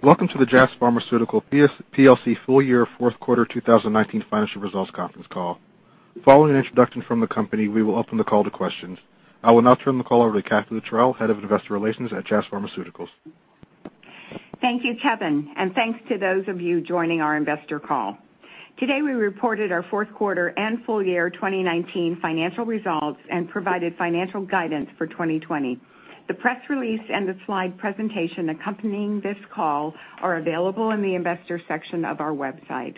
Welcome to the Jazz Pharmaceuticals plc full-year fourth-quarter 2019 financial results conference call. Following an introduction from the company, we will open the call to questions. I will now turn the call over to Kathee Littrell, Head of Investor Relations at Jazz Pharmaceuticals. Thank you, Kevin, and thanks to those of you joining our investor call. Today, we reported our fourth quarter and full year 2019 financial results and provided financial guidance for 2020. The press release and the slide presentation accompanying this call are available in the Investor section of our website.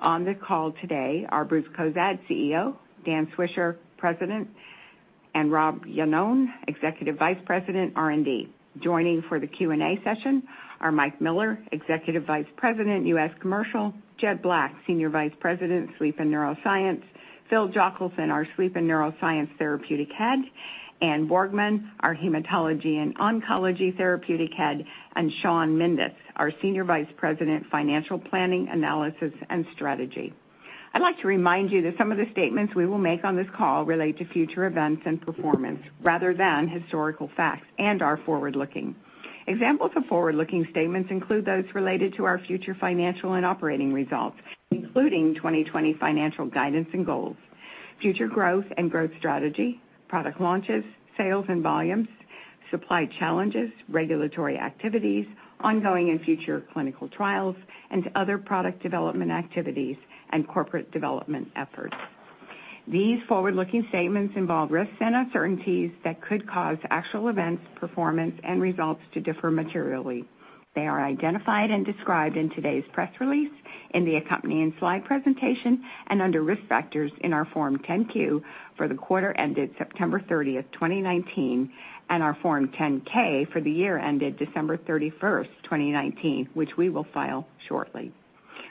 On the call today are Bruce Cozadd, CEO, Dan Swisher, President, and Robert Iannone, Executive Vice President, R&D. Joining for the Q&A session are Mike Miller, Executive Vice President, U.S. Commercial, Jed Black, Senior Vice President, Sleep and Neuroscience, Philip Jochelson, our Sleep and Neuroscience Therapeutic Head, Anne Borgman, our Hematology and Oncology Therapeutic Head, and Sean McHugh, our Senior Vice President, Financial Planning, Analysis and Strategy. I'd like to remind you that some of the statements we will make on this call relate to future events and performance rather than historical facts and are forward-looking. Examples of forward-looking statements include those related to our future financial and operating results, including 2020 financial guidance and goals, future growth and growth strategy, product launches, sales and volumes, supply challenges, regulatory activities, ongoing and future clinical trials, and other product development activities and corporate development efforts. These forward-looking statements involve risks and uncertainties that could cause actual events, performance and results to differ materially. They are identified and described in today's press release, in the accompanying slide presentation, and under Risk Factors in our Form 10-Q for the quarter ended September 30, 2019, and our Form 10-K for the year ended December 31, 2019, which we will file shortly.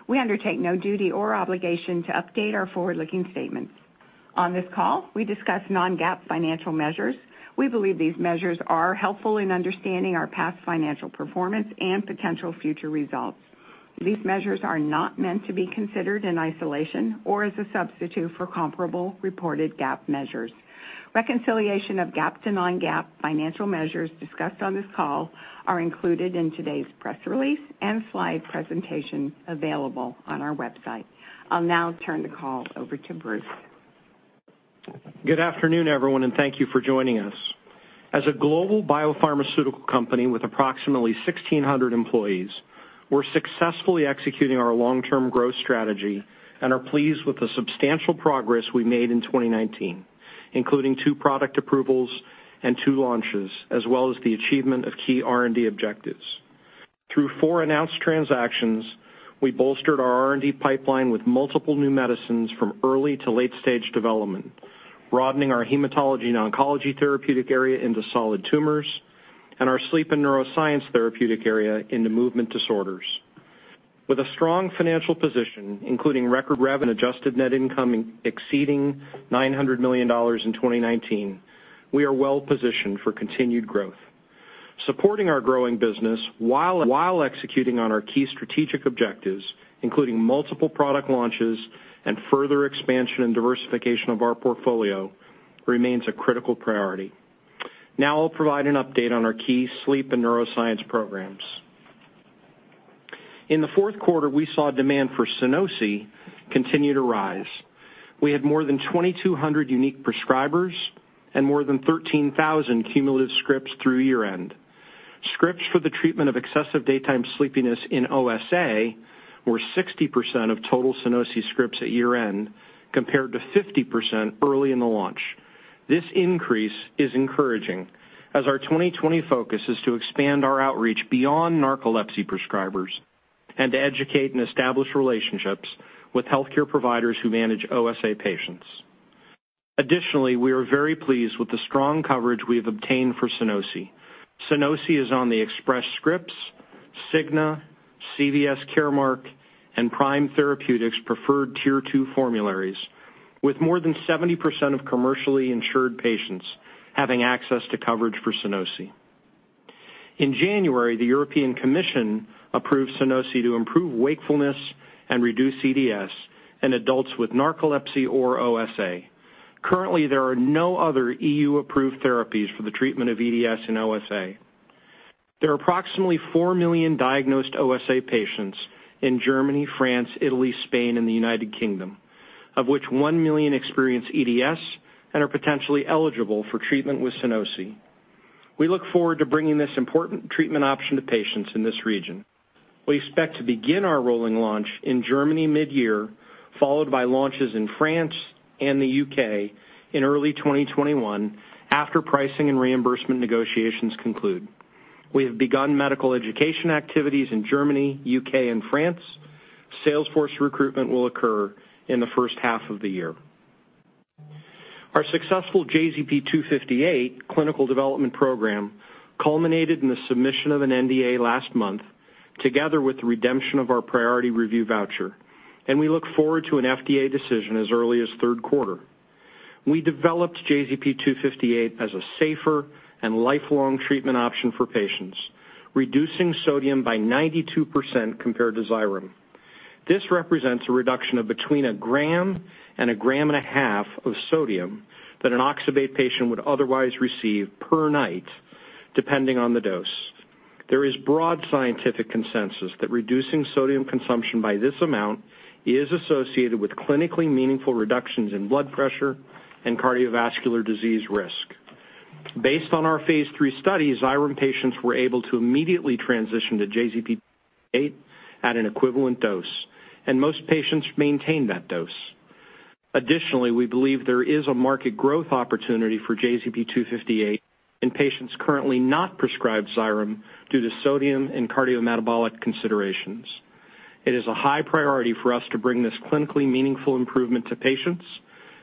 We undertake no duty or obligation to update our forward-looking statements. On this call, we discuss non-GAAP financial measures. We believe these measures are helpful in understanding our past financial performance and potential future results. These measures are not meant to be considered in isolation or as a substitute for comparable reported GAAP measures. Reconciliation of GAAP to non-GAAP financial measures discussed on this call are included in today's press release and slide presentation available on our website. I'll now turn the call over to Bruce. Good afternoon, everyone, and thank you for joining us. As a global biopharmaceutical company with approximately 1,600 employees, we're successfully executing our long-term growth strategy and are pleased with the substantial progress we made in 2019, including 2 product approvals and 2 launches, as well as the achievement of key R&D objectives. Through 4 announced transactions, we bolstered our R&D pipeline with multiple new medicines from early to late-stage development, broadening our hematology and oncology therapeutic area into solid tumors and our sleep and neuroscience therapeutic area into movement disorders. With a strong financial position, including record rev and adjusted net income exceeding $900 million in 2019, we are well positioned for continued growth. Supporting our growing business while executing on our key strategic objectives, including multiple product launches and further expansion and diversification of our portfolio remains a critical priority. Now I'll provide an update on our key sleep and neuroscience programs. In the fourth quarter, we saw demand for Sunosi continue to rise. We had more than 2,200 unique prescribers and more than 13,000 cumulative scripts through year-end. Scripts for the treatment of excessive daytime sleepiness in OSA were 60% of total Sunosi scripts at year-end, compared to 50% early in the launch. This increase is encouraging as our 2020 focus is to expand our outreach beyond narcolepsy prescribers and to educate and establish relationships with healthcare providers who manage OSA patients. Additionally, we are very pleased with the strong coverage we have obtained for Sunosi. Sunosi is on the Express Scripts, Cigna, CVS Caremark, and Prime Therapeutics Preferred Tier Two formularies, with more than 70% of commercially insured patients having access to coverage for Sunosi. In January, the European Commission approved Sunosi to improve wakefulness and reduce EDS in adults with narcolepsy or OSA. Currently, there are no other EU-approved therapies for the treatment of EDS in OSA. There are approximately 4 million diagnosed OSA patients in Germany, France, Italy, Spain, and the United Kingdom, of which 1 million experience EDS and are potentially eligible for treatment with Sunosi. We look forward to bringing this important treatment option to patients in this region. We expect to begin our rolling launch in Germany mid-year, followed by launches in France and the UK in early 2021 after pricing and reimbursement negotiations conclude. We have begun medical education activities in Germany, UK, and France. Sales force recruitment will occur in the first half of the year. Our successful JZP-258 clinical development program culminated in the submission of an NDA last month together with the redemption of our priority review voucher, and we look forward to an FDA decision as early as third quarter. We developed JZP-258 as a safer and lifelong treatment option for patients, reducing sodium by 92% compared to Xyrem. This represents a reduction of between 1 gram and 1.5 grams of sodium that an oxybate patient would otherwise receive per night, depending on the dose. There is broad scientific consensus that reducing sodium consumption by this amount is associated with clinically meaningful reductions in blood pressure and cardiovascular disease risk. Based on our phase III studies, Xyrem patients were able to immediately transition to JZP-258 at an equivalent dose, and most patients maintained that dose. Additionally, we believe there is a market growth opportunity for JZP-258 in patients currently not prescribed Xyrem due to sodium and cardiometabolic considerations. It is a high priority for us to bring this clinically meaningful improvement to patients,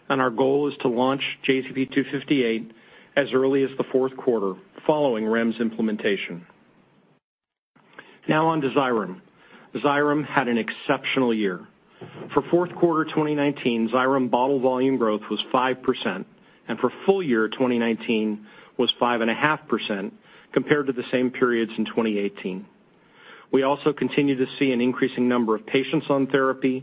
and our goal is to launch JZP-258 as early as the fourth quarter following REMS implementation. Now on to Xyrem. Xyrem had an exceptional year. For fourth quarter 2019, Xyrem bottle volume growth was 5%, and for full year 2019 was 5.5% compared to the same periods in 2018. We also continue to see an increasing number of patients on therapy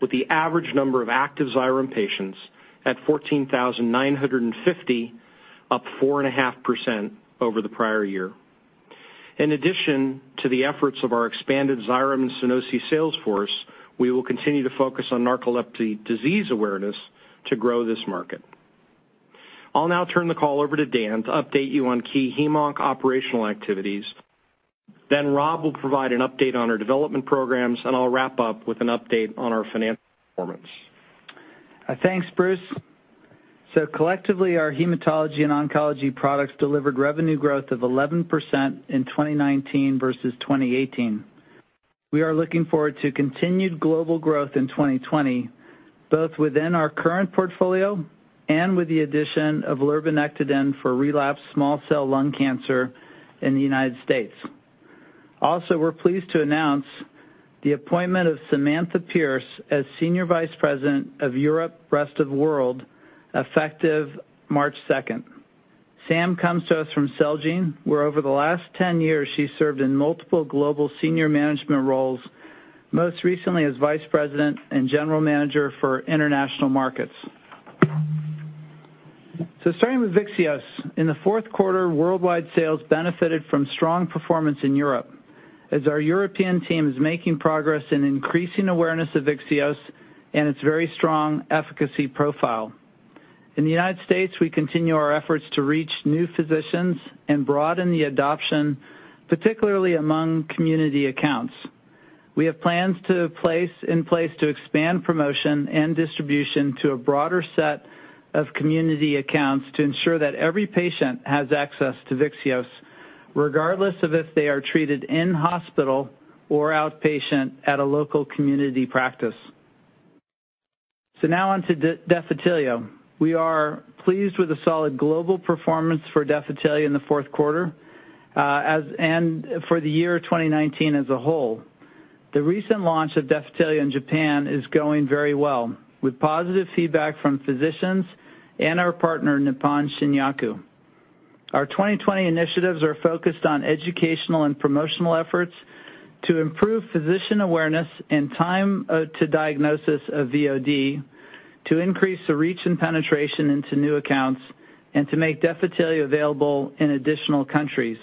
with the average number of active Xyrem patients at 14,950, up 4.5% over the prior year. In addition to the efforts of our expanded Xyrem and Sunosi sales force, we will continue to focus on narcolepsy disease awareness to grow this market. I'll now turn the call over to Dan to update you on key hem/onc operational activities. Then Rob will provide an update on our development programs, and I'll wrap up with an update on our financial performance. Thanks, Bruce. Collectively, our hematology and oncology products delivered revenue growth of 11% in 2019 versus 2018. We are looking forward to continued global growth in 2020, both within our current portfolio and with the addition of lurbinectedin for relapsed small cell lung cancer in the United States. We're pleased to announce the appointment of Samantha Pearce as senior vice president of Europe Rest of World, effective March 2. Sam comes to us from Celgene, where over the last 10 years she's served in multiple global senior management roles, most recently as vice president and general manager for international markets. Starting with Vyxeos, in the fourth quarter, worldwide sales benefited from strong performance in Europe as our European team is making progress in increasing awareness of Vyxeos and its very strong efficacy profile. In the United States, we continue our efforts to reach new physicians and broaden the adoption, particularly among community accounts. We have plans in place to expand promotion and distribution to a broader set of community accounts to ensure that every patient has access to Vyxeos, regardless of if they are treated in hospital or outpatient at a local community practice. Now on to Defitelio. We are pleased with the solid global performance for Defitelio in the fourth quarter, and for the year 2019 as a whole. The recent launch of Defitelio in Japan is going very well, with positive feedback from physicians and our partner, Nippon Shinyaku. Our 2020 initiatives are focused on educational and promotional efforts to improve physician awareness and time to diagnosis of VOD, to increase the reach and penetration into new accounts, and to make Defitelio available in additional countries.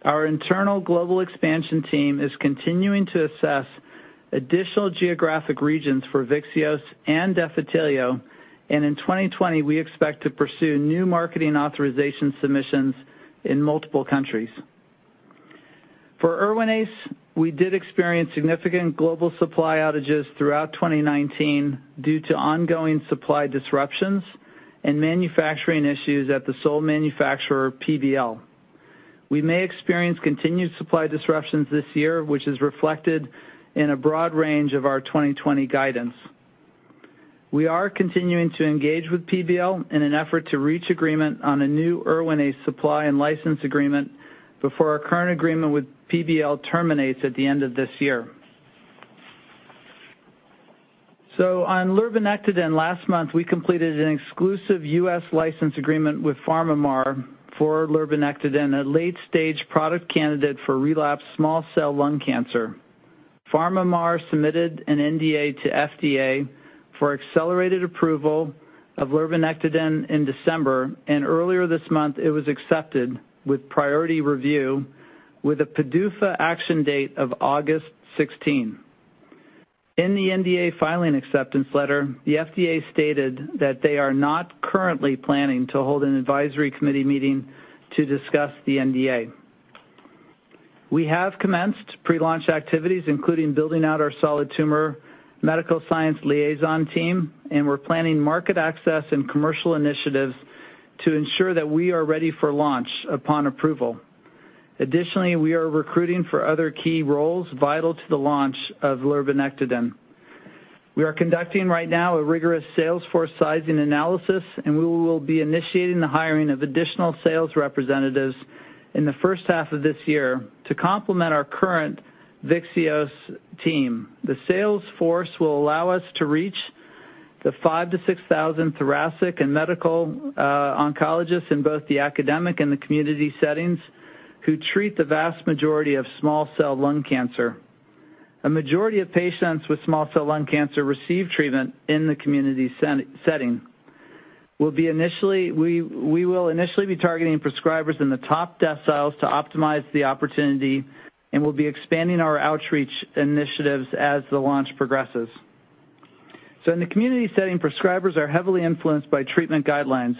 Our internal global expansion team is continuing to assess additional geographic regions for Vyxeos and Defitelio, and in 2020, we expect to pursue new marketing authorization submissions in multiple countries. For Erwinase, we did experience significant global supply outages throughout 2019 due to ongoing supply disruptions and manufacturing issues at the sole manufacturer, PBL. We may experience continued supply disruptions this year, which is reflected in a broad range of our 2020 guidance. We are continuing to engage with PBL in an effort to reach agreement on a new Erwinase supply and license agreement before our current agreement with PBL terminates at the end of this year. On lurbinectedin, last month, we completed an exclusive U.S. license agreement with PharmaMar for lurbinectedin, a late-stage product candidate for relapsed small cell lung cancer. PharmaMar submitted an NDA to FDA for accelerated approval of lurbinectedin in December, and earlier this month it was accepted with priority review with a PDUFA action date of August 16. In the NDA filing acceptance letter, the FDA stated that they are not currently planning to hold an advisory committee meeting to discuss the NDA. We have commenced pre-launch activities, including building out our solid tumor medical science liaison team, and we're planning market access and commercial initiatives to ensure that we are ready for launch upon approval. Additionally, we are recruiting for other key roles vital to the launch of lurbinectedin. We are conducting right now a rigorous sales force sizing analysis, and we will be initiating the hiring of additional sales representatives in the first half of this year to complement our current Vyxeos team. The sales force will allow us to reach the 5,000-6,000 thoracic and medical oncologists in both the academic and the community settings who treat the vast majority of small cell lung cancer. A majority of patients with small cell lung cancer receive treatment in the community setting. We will initially be targeting prescribers in the top deciles to optimize the opportunity, and we'll be expanding our outreach initiatives as the launch progresses. In the community setting, prescribers are heavily influenced by treatment guidelines.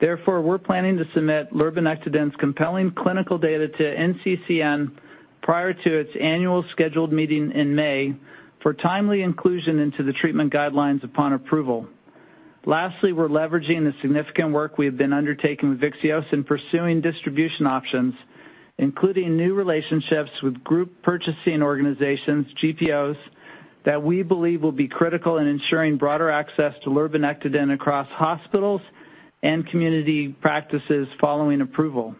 Therefore, we're planning to submit lurbinectedin's compelling clinical data to NCCN prior to its annual scheduled meeting in May for timely inclusion into the treatment guidelines upon approval. We're leveraging the significant work we have been undertaking with Vyxeos in pursuing distribution options, including new relationships with group purchasing organizations, GPOs, that we believe will be critical in ensuring broader access to lurbinectedin across hospitals and community practices following approval.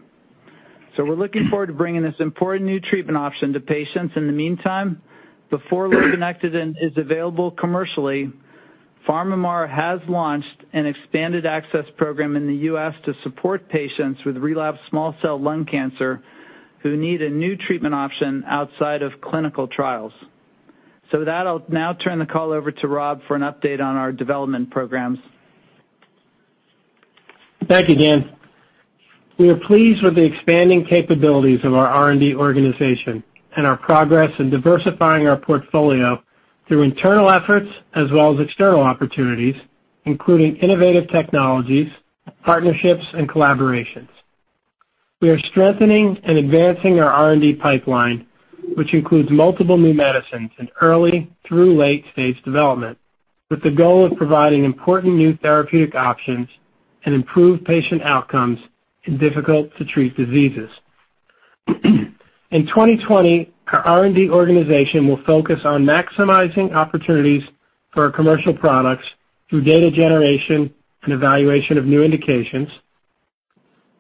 We're looking forward to bringing this important new treatment option to patients. In the meantime, before lurbinectedin is available commercially, PharmaMar has launched an expanded access program in the U.S. to support patients with relapsed small cell lung cancer who need a new treatment option outside of clinical trials. With that, I'll now turn the call over to Rob for an update on our development programs. Thank you, Dan. We are pleased with the expanding capabilities of our R&D organization and our progress in diversifying our portfolio through internal efforts as well as external opportunities, including innovative technologies, partnerships, and collaborations. We are strengthening and advancing our R&D pipeline, which includes multiple new medicines in early through late-stage development, with the goal of providing important new therapeutic options and improve patient outcomes in difficult to treat diseases. In 2020, our R&D organization will focus on maximizing opportunities for our commercial products through data generation and evaluation of new indications,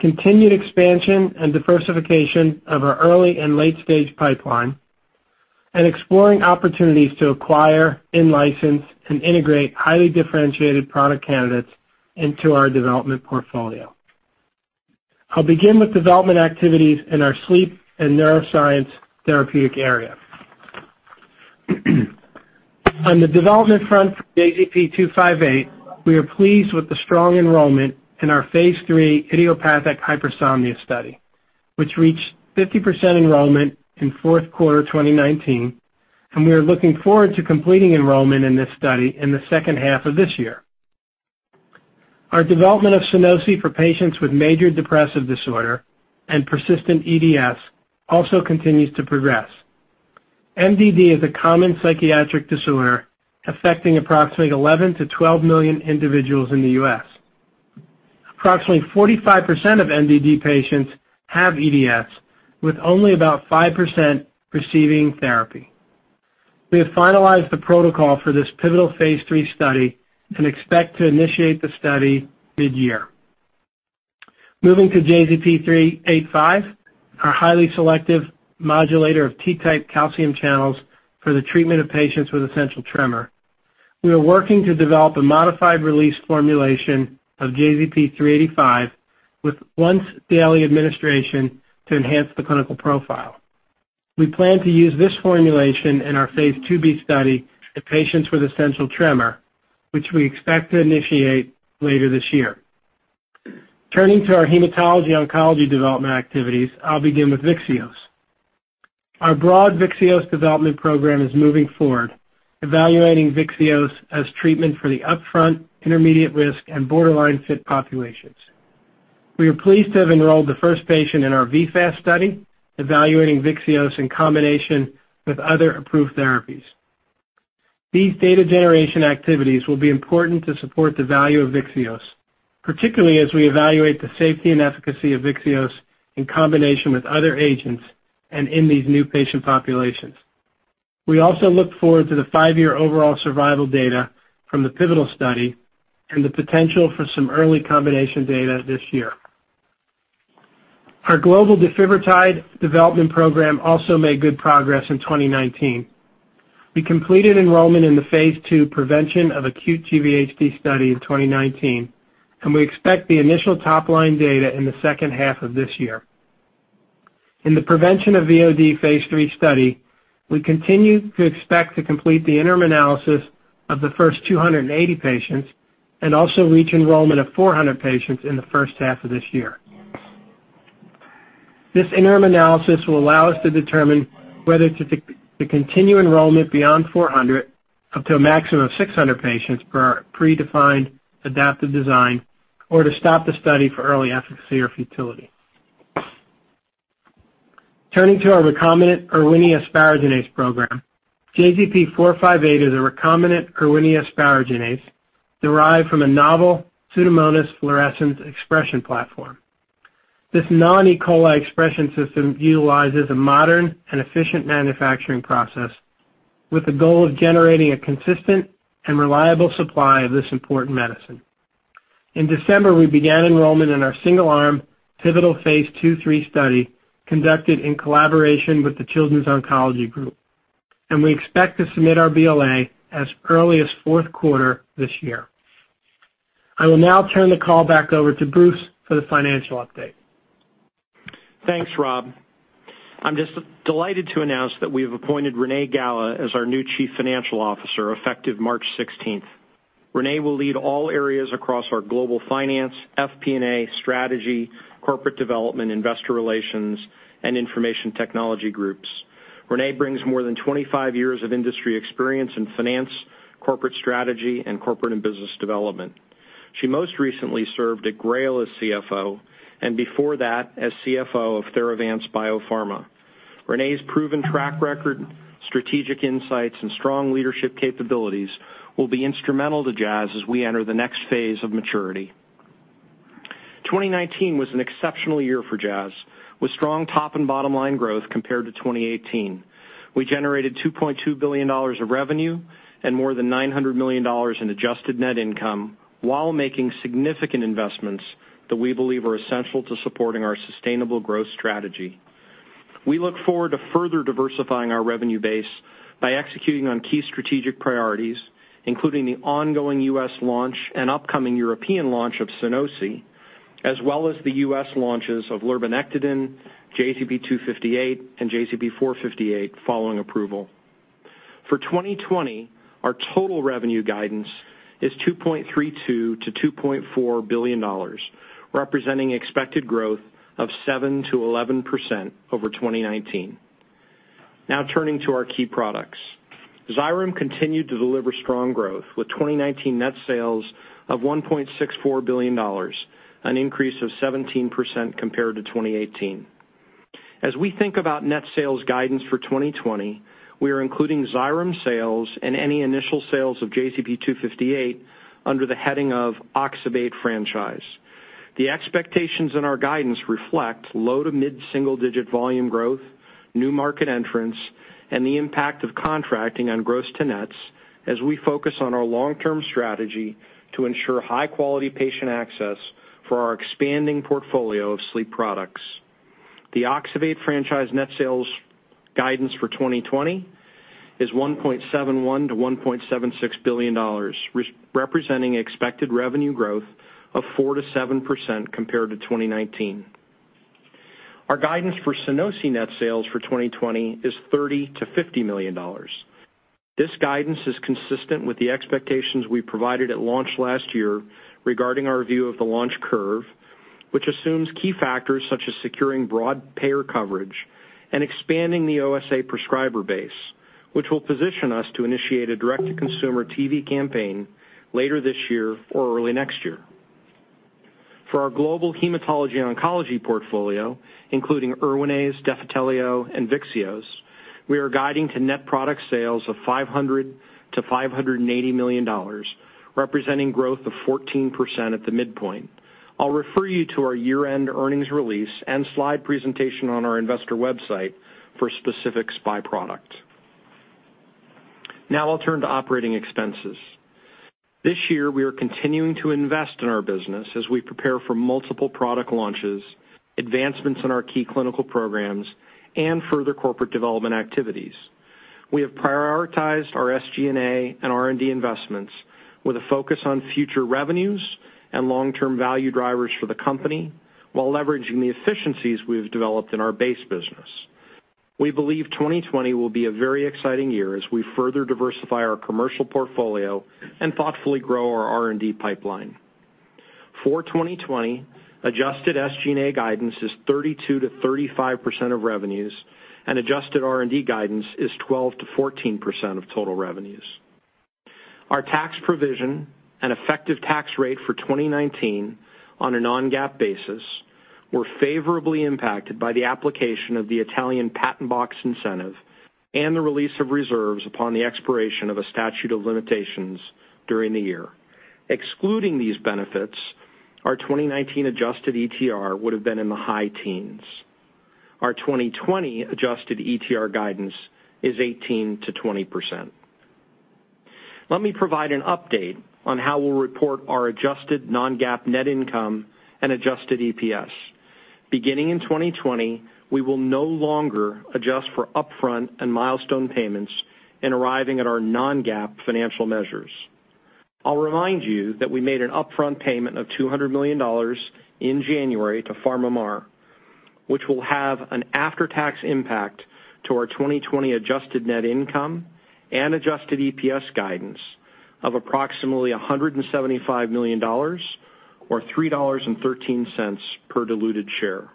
continued expansion and diversification of our early and late-stage pipeline, and exploring opportunities to acquire, in-license, and integrate highly differentiated product candidates into our development portfolio. I'll begin with development activities in our sleep and neuroscience therapeutic area. On the development front for JZP-258, we are pleased with the strong enrollment in our phase III idiopathic hypersomnia study, which reached 50% enrollment in fourth quarter 2019, and we are looking forward to completing enrollment in this study in the second half of this year. Our development of Sunosi for patients with major depressive disorder and persistent EDS also continues to progress. MDD is a common psychiatric disorder affecting approximately 11-12 million individuals in the U.S. Approximately 45% of MDD patients have EDS, with only about 5% receiving therapy. We have finalized the protocol for this pivotal phase III study and expect to initiate the study mid-year. Moving to JZP385, our highly selective modulator of T-type calcium channels for the treatment of patients with essential tremor. We are working to develop a modified-release formulation of JZP385 with once-daily administration to enhance the clinical profile. We plan to use this formulation in our phase IIb study to patients with essential tremor, which we expect to initiate later this year. Turning to our hematology oncology development activities, I'll begin with Vyxeos. Our broad Vyxeos development program is moving forward, evaluating Vyxeos as treatment for the upfront, intermediate risk, and borderline fit populations. We are pleased to have enrolled the first patient in our VPHAST study, evaluating Vyxeos in combination with other approved therapies. These data generation activities will be important to support the value of Vyxeos, particularly as we evaluate the safety and efficacy of Vyxeos in combination with other agents and in these new patient populations. We also look forward to the 5-year overall survival data from the pivotal study and the potential for some early combination data this year. Our global defibrotide development program also made good progress in 2019. We completed enrollment in the phase II prevention of acute GVHD study in 2019, and we expect the initial top-line data in the second half of this year. In the prevention of VOD phase III study, we continue to expect to complete the interim analysis of the first 280 patients and also reach enrollment of 400 patients in the first half of this year. This interim analysis will allow us to determine whether to continue enrollment beyond 400 up to a maximum of 600 patients per our predefined adaptive design or to stop the study for early efficacy or futility. Turning to our recombinant Erwinia asparaginase program, JZP-458 is a recombinant Erwinia asparaginase derived from a novel Pseudomonas fluorescens expression platform. This non-E. coli expression system utilizes a modern and efficient manufacturing process with the goal of generating a consistent and reliable supply of this important medicine. In December, we began enrollment in our single-arm pivotal phase II/III study conducted in collaboration with the Children's Oncology Group, and we expect to submit our BLA as early as fourth quarter this year. I will now turn the call back over to Bruce for the financial update. Thanks, Rob. I'm just delighted to announce that we have appointed Renée Galá as our new chief financial officer, effective March sixteenth. Renée will lead all areas across our global finance, FP&A, strategy, corporate development, investor relations, and information technology groups. Renée brings more than 25 years of industry experience in finance, corporate strategy, and corporate and business development. She most recently served at Grail as CFO and before that, as CFO of Theravance Biopharma. Renée's proven track record, strategic insights, and strong leadership capabilities will be instrumental to Jazz as we enter the next phase of maturity. 2019 was an exceptional year for Jazz, with strong top and bottom-line growth compared to 2018. We generated $2.2 billion of revenue and more than $900 million in adjusted net income while making significant investments that we believe are essential to supporting our sustainable growth strategy. We look forward to further diversifying our revenue base by executing on key strategic priorities, including the ongoing U.S. launch and upcoming European launch of Sunosi, as well as the U.S. launches of lurbinectedin, JZP-258, and JZP-458 following approval. For 2020, our total revenue guidance is $2.32-$2.4 billion, representing expected growth of 7%-11% over 2019. Now turning to our key products. Xyrem continued to deliver strong growth with 2019 net sales of $1.64 billion, an increase of 17% compared to 2018. As we think about net sales guidance for 2020, we are including Xyrem sales and any initial sales of JZP-258 under the heading of oxybate franchise. The expectations in our guidance reflect low to mid-single digit volume growth, new market entrants, and the impact of contracting on gross to nets as we focus on our long-term strategy to ensure high-quality patient access for our expanding portfolio of sleep products. The oxybate franchise net sales guidance for 2020 is $1.71-$1.76 billion, representing expected revenue growth of 4%-7% compared to 2019. Our guidance for Sunosi net sales for 2020 is $30-$50 million. This guidance is consistent with the expectations we provided at launch last year regarding our view of the launch curve, which assumes key factors such as securing broad payer coverage and expanding the OSA prescriber base, which will position us to initiate a direct-to-consumer TV campaign later this year or early next year. For our global hematology oncology portfolio, including Erwinase, Defitelio, and Vyxeos, we are guiding to net product sales of $500-$580 million, representing growth of 14% at the midpoint. I'll refer you to our year-end earnings release and slide presentation on our investor website for specifics by product. Now I'll turn to operating expenses. This year, we are continuing to invest in our business as we prepare for multiple product launches, advancements in our key clinical programs, and further corporate development activities. We have prioritized our SG&A and R&D investments with a focus on future revenues and long-term value drivers for the company while leveraging the efficiencies we have developed in our base business. We believe 2020 will be a very exciting year as we further diversify our commercial portfolio and thoughtfully grow our R&D pipeline. For 2020, adjusted SG&A guidance is 32%-35% of revenues and adjusted R&D guidance is 12%-14% of total revenues. Our tax provision and effective tax rate for 2019 on a non-GAAP basis were favorably impacted by the application of the Italian patent box incentive and the release of reserves upon the expiration of a statute of limitations during the year. Excluding these benefits, our 2019 adjusted ETR would have been in the high teens. Our 2020 adjusted ETR guidance is 18%-20%. Let me provide an update on how we'll report our adjusted non-GAAP net income and adjusted EPS. Beginning in 2020, we will no longer adjust for upfront and milestone payments in arriving at our non-GAAP financial measures. I'll remind you that we made an upfront payment of $200 million in January to PharmaMar, which will have an after-tax impact to our 2020 adjusted net income and adjusted EPS guidance of approximately $175 million or $3.13 per diluted share.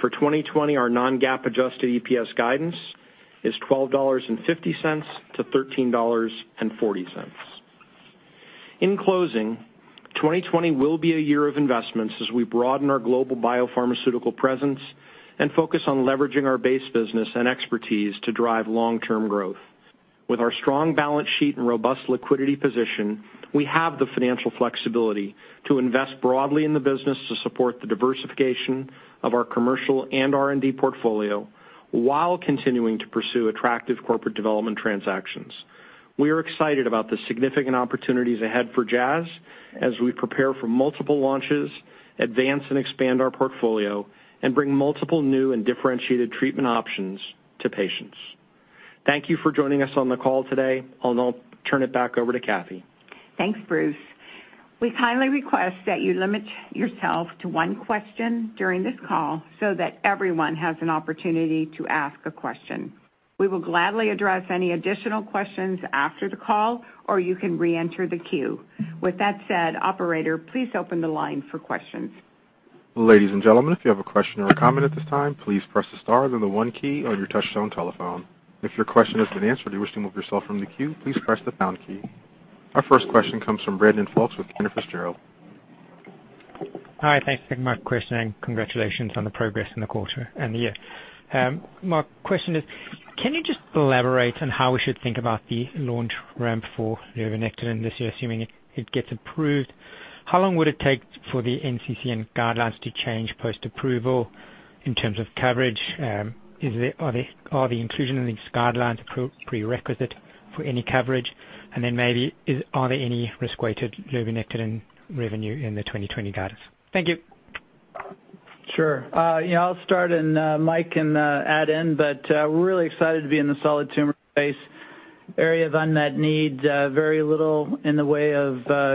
For 2020, our non-GAAP adjusted EPS guidance is $12.50-$13.40. In closing, 2020 will be a year of investments as we broaden our global biopharmaceutical presence and focus on leveraging our base business and expertise to drive long-term growth. With our strong balance sheet and robust liquidity position, we have the financial flexibility to invest broadly in the business to support the diversification of our commercial and R&D portfolio while continuing to pursue attractive corporate development transactions. We are excited about the significant opportunities ahead for Jazz as we prepare for multiple launches, advance and expand our portfolio, and bring multiple new and differentiated treatment options to patients. Thank you for joining us on the call today. I'll now turn it back over to Kathee. Thanks, Bruce. We kindly request that you limit yourself to one question during this call so that everyone has an opportunity to ask a question. We will gladly address any additional questions after the call, or you can reenter the queue. With that said, operator, please open the line for questions. Ladies and gentlemen, if you have a question or a comment at this time, please press the star, then the one key on your touchtone telephone. If your question has been answered and you wish to move yourself from the queue, please press the pound key. Our first question comes from Brandon Folkes with Piper Jaffray. Hi. Thanks for taking my question, and congratulations on the progress in the quarter and the year. My question is, can you just elaborate on how we should think about the launch ramp for lurbinectedin this year, assuming it gets approved? How long would it take for the NCCN guidelines to change post-approval in terms of coverage? Is the inclusion in these guidelines a prerequisite for any coverage? Maybe, are there any risk-weighted lurbinectedin revenue in the 2020 guidance? Thank you. Sure. You know, I'll start and Mike can add in, but we're really excited to be in the solid tumor space. Area of unmet needs, very little in the way of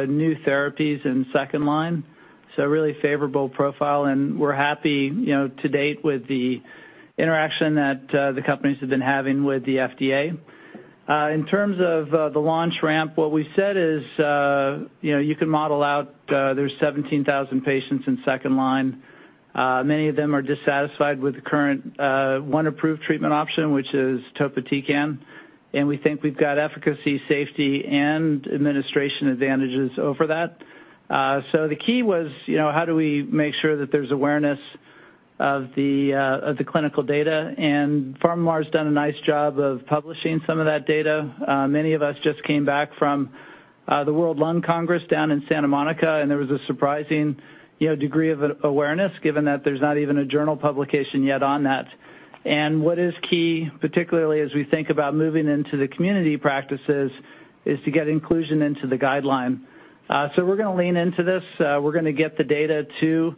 new therapies in second line, so really favorable profile, and we're happy, you know, to date with the interaction that the companies have been having with the FDA. In terms of the launch ramp, what we said is, you know, you can model out, there's 17,000 patients in second line. Many of them are dissatisfied with the current one approved treatment option, which is Topotecan, and we think we've got efficacy, safety and administration advantages over that. The key was, you know, how do we make sure that there's awareness of the clinical data, and PharmaMar's done a nice job of publishing some of that data. Many of us just came back from the World Conference on Lung Cancer down in Santa Monica, and there was a surprising, you know, degree of awareness given that there's not even a journal publication yet on that. What is key, particularly as we think about moving into the community practices, is to get inclusion into the guideline. We're gonna lean into this. We're gonna get the data to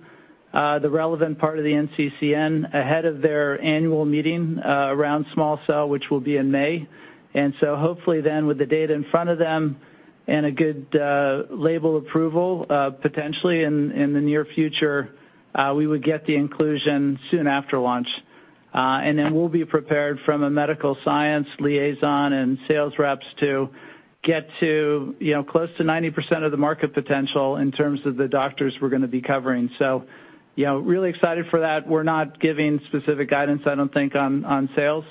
the relevant part of the NCCN ahead of their annual meeting around small cell, which will be in May. Hopefully then, with the data in front of them and a good label approval, potentially in the near future, we would get the inclusion soon after launch. We'll be prepared from a medical science liaison and sales reps to get to, you know, close to 90% of the market potential in terms of the doctors we're gonna be covering. You know, really excited for that. We're not giving specific guidance, I don't think, on sales.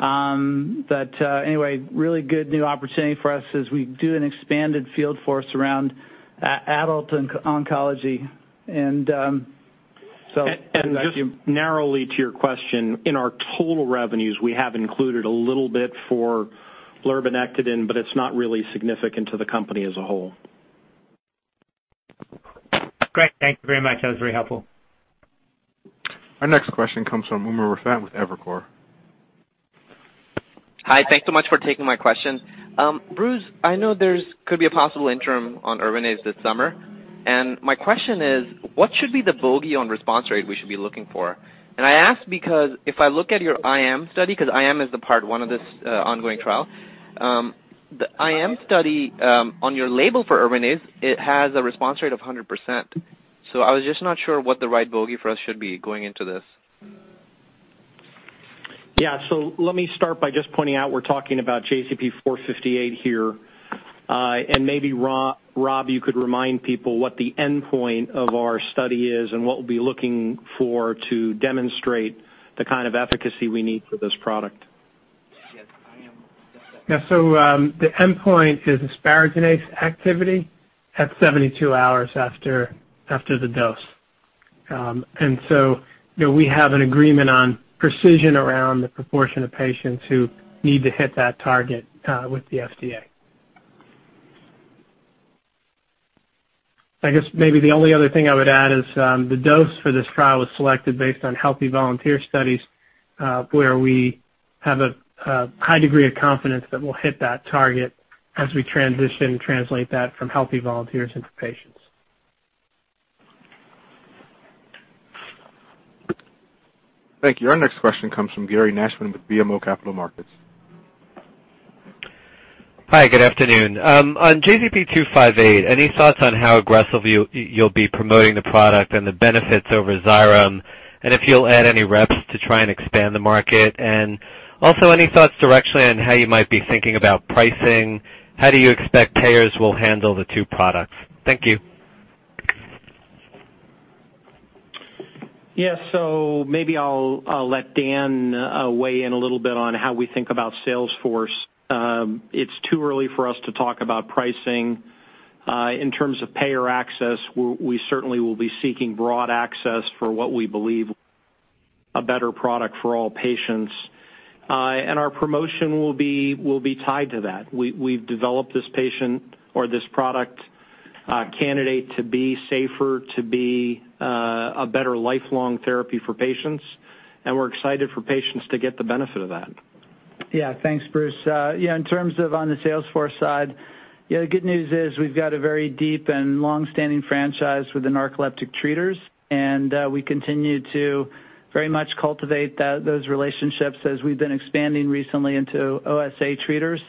Anyway, really good new opportunity for us as we do an expanded field force around adult oncology. Just narrowly to your question, in our total revenues, we have included a little bit for lurbinectedin, but it's not really significant to the company as a whole. Great. Thank you very much. That was very helpful. Our next question comes from Umer Raffat with Evercore. Hi. Thanks so much for taking my questions. Bruce, I know there could be a possible interim on Irinotecan this summer, and my question is, what should be the bogey on response rate we should be looking for? I ask because if I look at your IM study, 'cause IM is the part one of this ongoing trial, the IM study on your label for Irinotecan, it has a response rate of 100%. I was just not sure what the right bogey for us should be going into this. Let me start by just pointing out we're talking about JZP-458 here. Maybe Rob, you could remind people what the endpoint of our study is and what we'll be looking for to demonstrate the kind of efficacy we need for this product. Yes, I'm. Yeah. The endpoint is asparaginase activity at 72 hours after the dose. You know, we have an agreement on precision around the proportion of patients who need to hit that target with the FDA. I guess maybe the only other thing I would add is, the dose for this trial was selected based on healthy volunteer studies, where we have a high degree of confidence that we'll hit that target as we transition, translate that from healthy volunteers into patients. Thank you. Our next question comes from Gary Nachman with BMO Capital Markets. Hi, good afternoon. On JZP-258, any thoughts on how aggressively you'll be promoting the product and the benefits over Xyrem, and if you'll add any reps to try and expand the market? Also, any thoughts directionally on how you might be thinking about pricing? How do you expect payers will handle the two products? Thank you. Yeah. Maybe I'll let Dan weigh in a little bit on how we think about sales force. It's too early for us to talk about pricing. In terms of payer access, we certainly will be seeking broad access for what we believe a better product for all patients. Our promotion will be tied to that. We've developed this patient or this product Candidate to be safer, a better lifelong therapy for patients, and we're excited for patients to get the benefit of that. Yeah. Thanks, Bruce. In terms of on the sales force side, the good news is we've got a very deep and long-standing franchise with the narcoleptic treaters, and we continue to very much cultivate those relationships as we've been expanding recently into OSA treaters.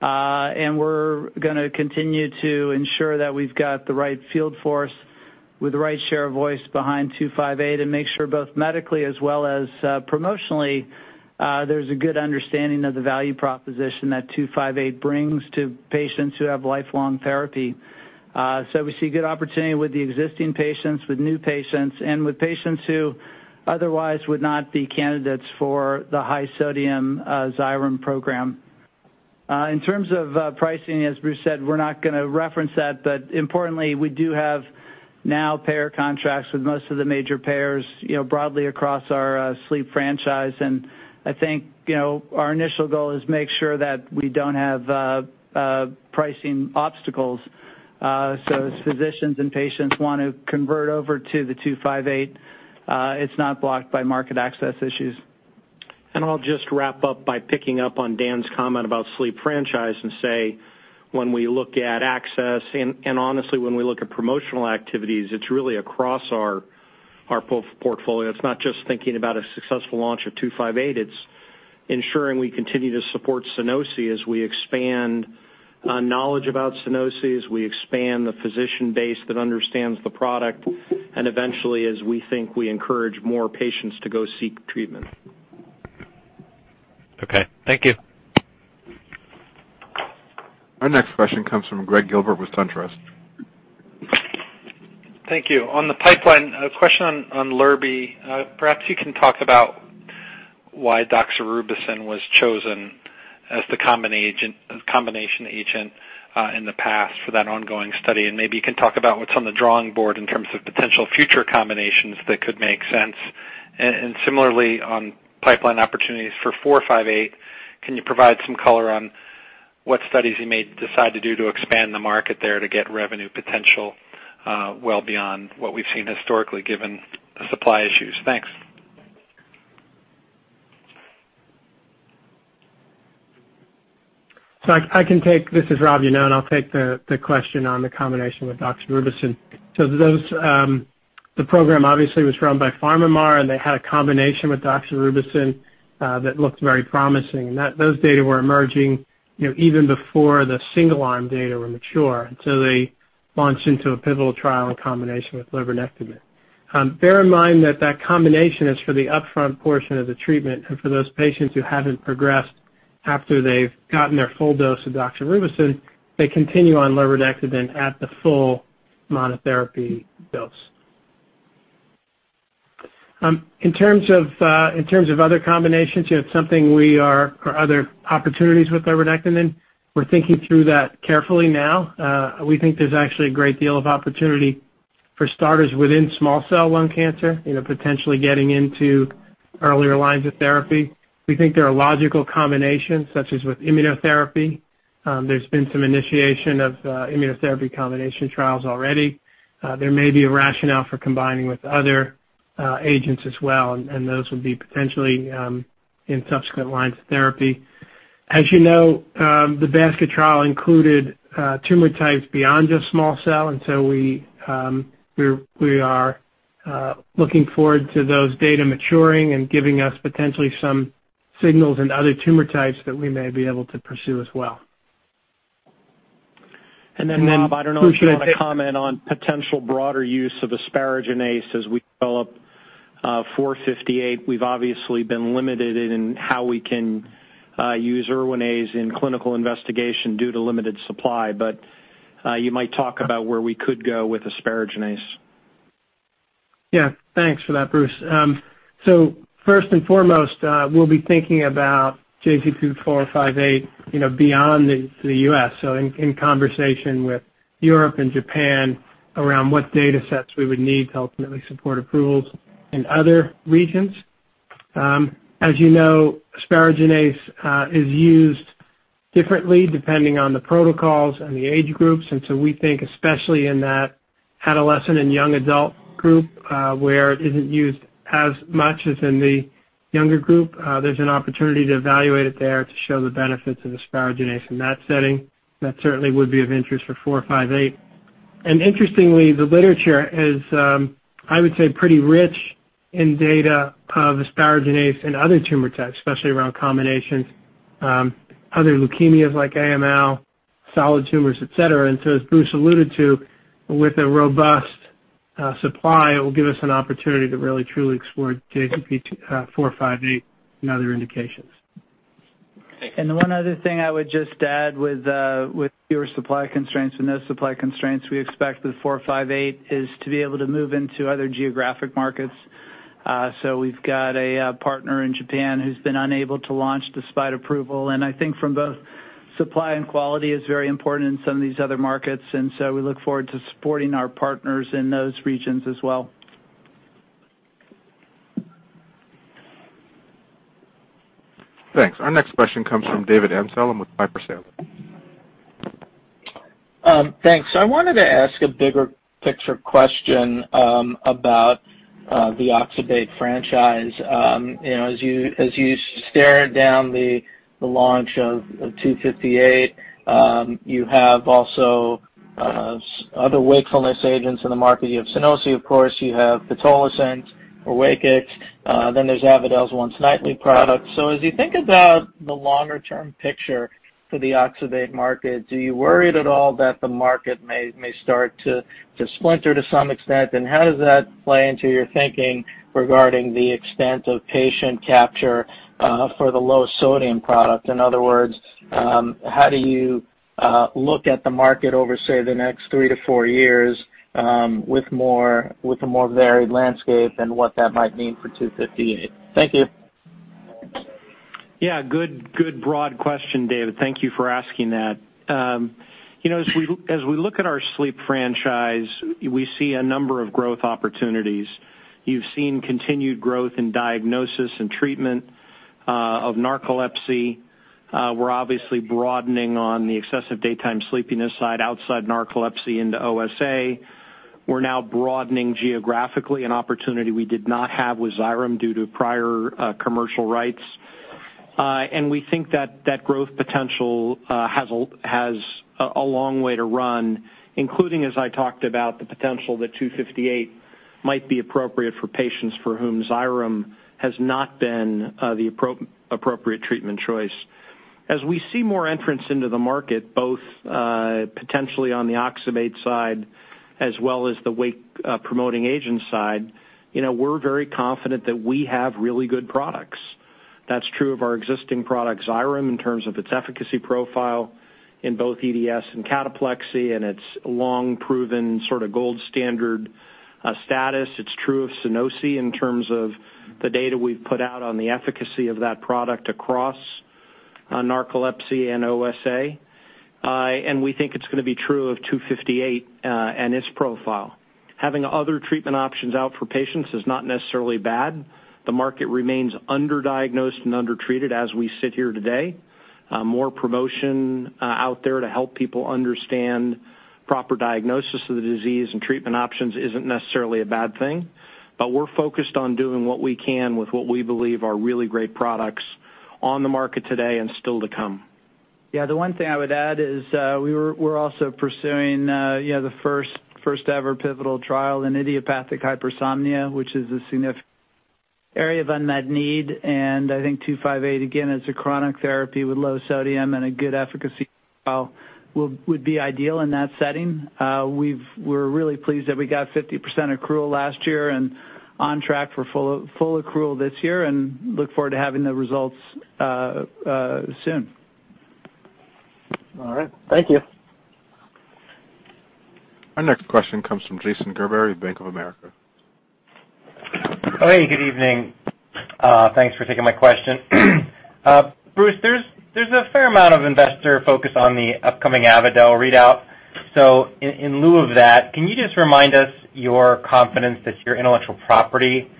We're gonna continue to ensure that we've got the right field force with the right share of voice behind JZP-258 to make sure both medically as well as promotionally there's a good understanding of the value proposition that JZP-258 brings to patients who have lifelong therapy. We see good opportunity with the existing patients, with new patients, and with patients who otherwise would not be candidates for the high sodium Xyrem program. In terms of pricing, as Bruce said, we're not gonna reference that. Importantly, we do have now payer contracts with most of the major payers, you know, broadly across our sleep franchise. I think, you know, our initial goal is make sure that we don't have pricing obstacles, so as physicians and patients want to convert over to the JZP-258, it's not blocked by market access issues. I'll just wrap up by picking up on Dan's comment about sleep franchise and say, when we look at access and honestly, when we look at promotional activities, it's really across our portfolio. It's not just thinking about a successful launch of two five eight. It's ensuring we continue to support Sunosi as we expand knowledge about Sunosi, as we expand the physician base that understands the product, and eventually, as we think we encourage more patients to go seek treatment. Okay. Thank you. Our next question comes from Greg Gilbert with SunTrust. Thank you. On the pipeline, a question on lurbinectedin. Perhaps you can talk about why Doxorubicin was chosen as the combination agent in the past for that ongoing study, and maybe you can talk about what's on the drawing board in terms of potential future combinations that could make sense. Similarly, on pipeline opportunities for JZP-458, can you provide some color on what studies you may decide to do to expand the market there to get revenue potential well beyond what we've seen historically, given the supply issues? Thanks. This is Robert Iannone. I can take the question on the combination with Doxorubicin. Those the program obviously was run by PharmaMar, and they had a combination with Doxorubicin that looked very promising. Those data were emerging, you know, even before the single arm data were mature, and so they launched into a pivotal trial in combination with lurbinectedin. Bear in mind that that combination is for the upfront portion of the treatment. For those patients who haven't progressed after they've gotten their full dose of Doxorubicin, they continue on lurbinectedin at the full monotherapy dose. In terms of other combinations, you know, it's something we are or other opportunities with lurbinectedin, we're thinking through that carefully now. We think there's actually a great deal of opportunity, for starters, within small-cell lung cancer, you know, potentially getting into earlier lines of therapy. We think there are logical combinations, such as with immunotherapy. There's been some initiation of immunotherapy combination trials already. There may be a rationale for combining with other agents as well, and those would be potentially in subsequent lines of therapy. As you know, the basket trial included tumor types beyond just small-cell, and we are looking forward to those data maturing and giving us potentially some signals in other tumor types that we may be able to pursue as well. Rob, I don't know if you wanna comment on potential broader use of asparaginase as we develop 458. We've obviously been limited in how we can use Erwinase in clinical investigation due to limited supply. You might talk about where we could go with asparaginase. Yeah. Thanks for that, Bruce. First and foremost, we'll be thinking about JZP-458, you know, beyond the U.S., in conversation with Europe and Japan around what data sets we would need to ultimately support approvals in other regions. As you know, asparaginase is used differently depending on the protocols and the age groups. We think especially in that adolescent and young adult group, where it isn't used as much as in the younger group, there's an opportunity to evaluate it there to show the benefits of asparaginase in that setting. That certainly would be of interest for JZP-458. Interestingly, the literature is, I would say, pretty rich in data of asparaginase in other tumor types, especially around combinations, other leukemias like AML, solid tumors, et cetera. as Bruce alluded to, with a robust supply, it will give us an opportunity to really truly explore JZP-458 in other indications. The one other thing I would just add with your supply constraints, we expect that JZP-458 is to be able to move into other geographic markets. We've got a partner in Japan who's been unable to launch despite approval. I think from both supply and quality is very important in some of these other markets, and so we look forward to supporting our partners in those regions as well. Thanks. Our next question comes from David Amsellem with Piper Sandler. Thanks. I wanted to ask a bigger picture question about the oxybate franchise. You know, as you stare down the launch of 258, you have also other wakefulness agents in the market. You have Sunosi, of course, you have Pitolisant or Wakix, then there's Avadel's once nightly product. As you think about the longer-term picture for the oxybate market, are you worried at all that the market may start to splinter to some extent? And how does that play into your thinking regarding the extent of patient capture for the low sodium product? In other words, how do you look at the market over, say, the next 3-4 years, with a more varied landscape and what that might mean for 258? Thank you. Yeah, good broad question, David. Thank you for asking that. You know, as we look at our sleep franchise, we see a number of growth opportunities. You've seen continued growth in diagnosis and treatment of narcolepsy. We're obviously broadening on the excessive daytime sleepiness side outside narcolepsy into OSA. We're now broadening geographically an opportunity we did not have with Xyrem due to prior commercial rights. We think that growth potential has a long way to run, including, as I talked about, the potential that 258 might be appropriate for patients for whom Xyrem has not been the appropriate treatment choice. As we see more entrants into the market, both potentially on the oxybate side as well as the wake-promoting agent side, you know, we're very confident that we have really good products. That's true of our existing product, Xyrem, in terms of its efficacy profile in both EDS and cataplexy and its long-proven sort of gold standard status. It's true of Sunosi in terms of the data we've put out on the efficacy of that product across narcolepsy and OSA. We think it's gonna be true of 258 and its profile. Having other treatment options out for patients is not necessarily bad. The market remains underdiagnosed and undertreated as we sit here today. More promotion out there to help people understand proper diagnosis of the disease and treatment options isn't necessarily a bad thing. We're focused on doing what we can with what we believe are really great products on the market today and still to come. Yeah, the one thing I would add is, we're also pursuing, you know, the first-ever pivotal trial in idiopathic hypersomnia, which is a significant area of unmet need. I think two five eight, again, is a chronic therapy with low sodium and a good efficacy trial would be ideal in that setting. We're really pleased that we got 50% accrual last year and on track for full accrual this year and look forward to having the results soon. All right, thank you. Our next question comes from Jason Gerberry, Bank of America. Good evening. Thanks for taking my question. Bruce, there's a fair amount of investor focus on the upcoming Avadel readout. In lieu of that, can you just remind us your confidence that your intellectual property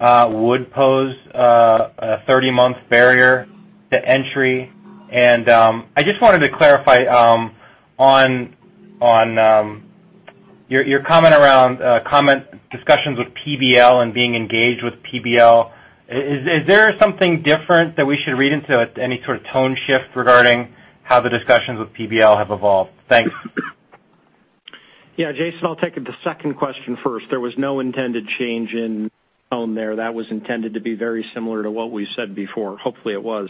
would pose a 30-month barrier to entry? I just wanted to clarify, on your comment around discussions with PBL and being engaged with PBL. Is there something different that we should read into it, any sort of tone shift regarding how the discussions with PBL have evolved? Thanks. Yeah, Jason, I'll take it the second question first. There was no intended change in tone there. That was intended to be very similar to what we said before. Hopefully, it was.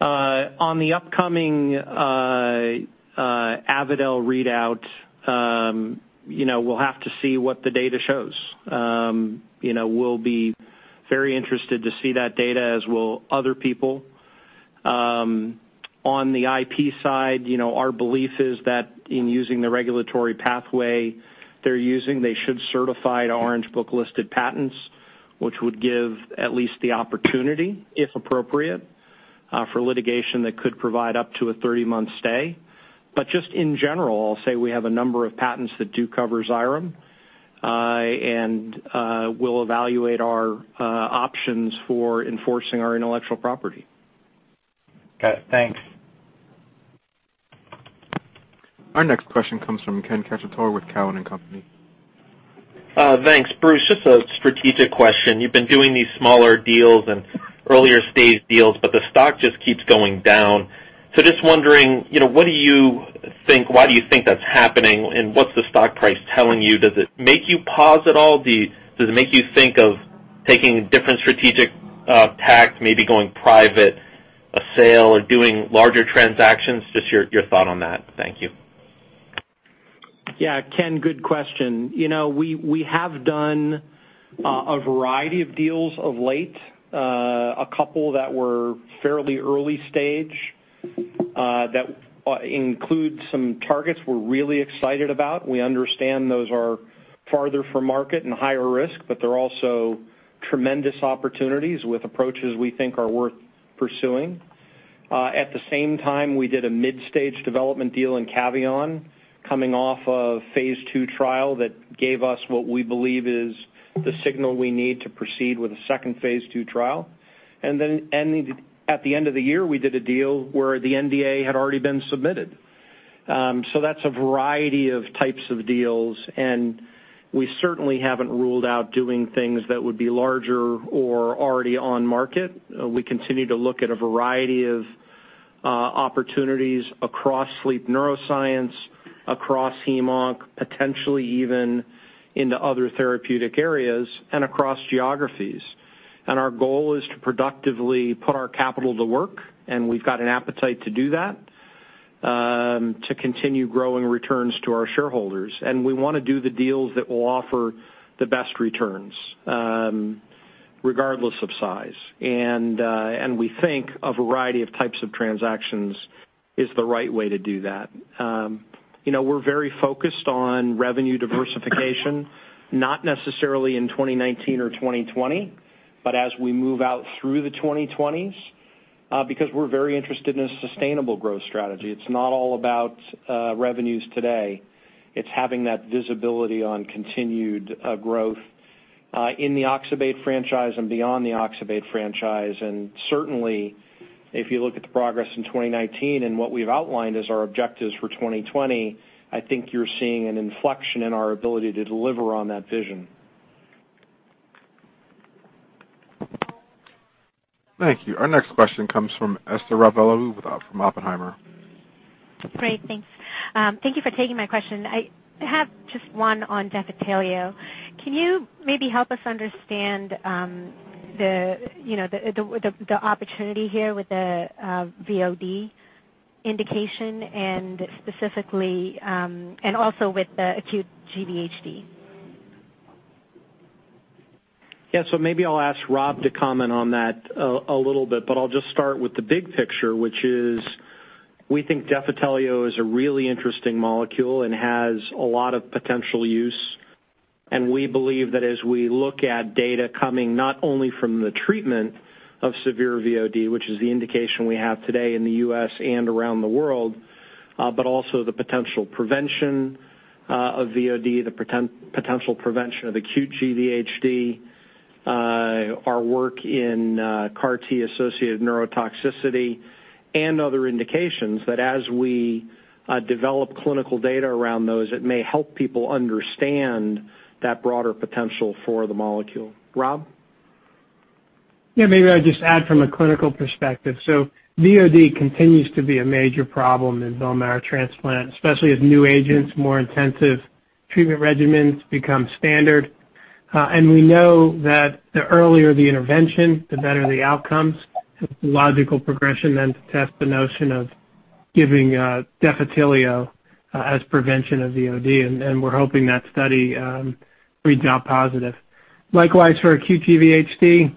On the upcoming Avadel readout, you know, we'll have to see what the data shows. You know, we'll be very interested to see that data, as will other people. On the IP side, you know, our belief is that in using the regulatory pathway they're using, they should certify to Orange Book-listed patents, which would give at least the opportunity, if appropriate, for litigation that could provide up to a 30-month stay. Just in general, I'll say we have a number of patents that do cover Xyrem. And we'll evaluate our options for enforcing our intellectual property. Got it. Thanks. Our next question comes from Ken Cacciatore with Cowen and Company. Thanks. Bruce, just a strategic question. You've been doing these smaller deals and earlier-stage deals, but the stock just keeps going down. Just wondering, you know, what do you think, why do you think that's happening, and what's the stock price telling you? Does it make you pause at all? Does it make you think of taking a different strategic tack, maybe going private, a sale, or doing larger transactions? Just your thought on that. Thank you. Yeah. Ken, good question. You know, we have done a variety of deals of late. A couple that were fairly early stage that include some targets we're really excited about. We understand those are farther from market and higher risk, but they're also tremendous opportunities with approaches we think are worth pursuing. At the same time, we did a mid-stage development deal in Cavion coming off of phase two trial that gave us what we believe is the signal we need to proceed with a second phase two trial. At the end of the year, we did a deal where the NDA had already been submitted. That's a variety of types of deals, and we certainly haven't ruled out doing things that would be larger or already on market. We continue to look at a variety of opportunities across sleep neuroscience, across hemonc, potentially even into other therapeutic areas and across geographies. Our goal is to productively put our capital to work, and we've got an appetite to do that to continue growing returns to our shareholders. We wanna do the deals that will offer the best returns, regardless of size. We think a variety of types of transactions is the right way to do that. You know, we're very focused on revenue diversification, not necessarily in 2019 or 2020, but as we move out through the 2020s, because we're very interested in a sustainable growth strategy. It's not all about revenues today. It's having that visibility on continued growth in the oxybate franchise and beyond the oxybate franchise. Certainly, if you look at the progress in 2019 and what we've outlined as our objectives for 2020, I think you're seeing an inflection in our ability to deliver on that vision. Thank you. Our next question comes from Esther Rajavelu with Oppenheimer. Great. Thanks. Thank you for taking my question. I have just one on Defitelio. Can you maybe help us understand, you know, the opportunity here with the VOD indication and specifically, and also with the acute GVHD? Yeah. Maybe I'll ask Rob to comment on that a little bit, but I'll just start with the big picture, which is we think Defitelio is a really interesting molecule and has a lot of potential use. We believe that as we look at data coming not only from the treatment of severe VOD, which is the indication we have today in the U.S. and around the world, but also the potential prevention of VOD, the potential prevention of acute GVHD, our work in CAR T-associated neurotoxicity and other indications that as we develop clinical data around those, it may help people understand that broader potential for the molecule. Rob? Yeah. Maybe I'll just add from a clinical perspective. VOD continues to be a major problem in bone marrow transplant, especially as new agents, more intensive treatment regimens become standard. We know that the earlier the intervention, the better the outcomes. It's a logical progression then to test the notion of giving Defitelio as prevention of VOD, and we're hoping that study reads out positive. Likewise, for acute GVHD,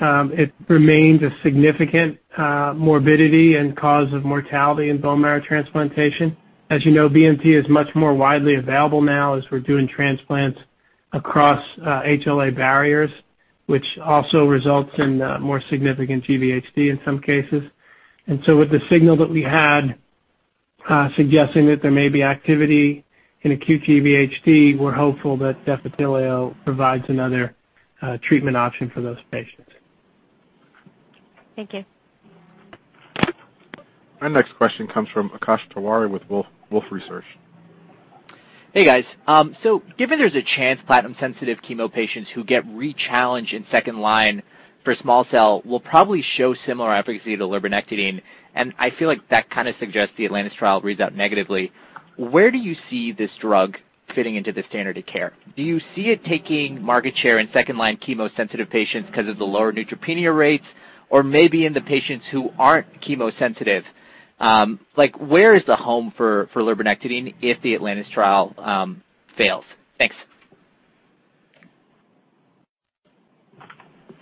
it remains a significant morbidity and cause of mortality in bone marrow transplantation. As you know, BMT is much more widely available now as we're doing transplants across HLA barriers, which also results in more significant GVHD in some cases. With the signal that we had suggesting that there may be activity in acute GVHD, we're hopeful that Defitelio provides another treatment option for those patients. Thank you. Our next question comes from Akash Tewari with Wolfe Research. Hey, guys. Given there's a chance platinum-sensitive chemo patients who get rechallenged in second-line for small-cell will probably show similar efficacy to lurbinectedin, and I feel like that kind of suggests the ATLANTIS trial reads out negatively. Where do you see this drug fitting into the standard of care? Do you see it taking market share in second-line chemo-sensitive patients 'cause of the lower neutropenia rates or maybe in the patients who aren't chemo-sensitive? Where is the home for lurbinectedin if the ATLANTIS trial fails? Thanks.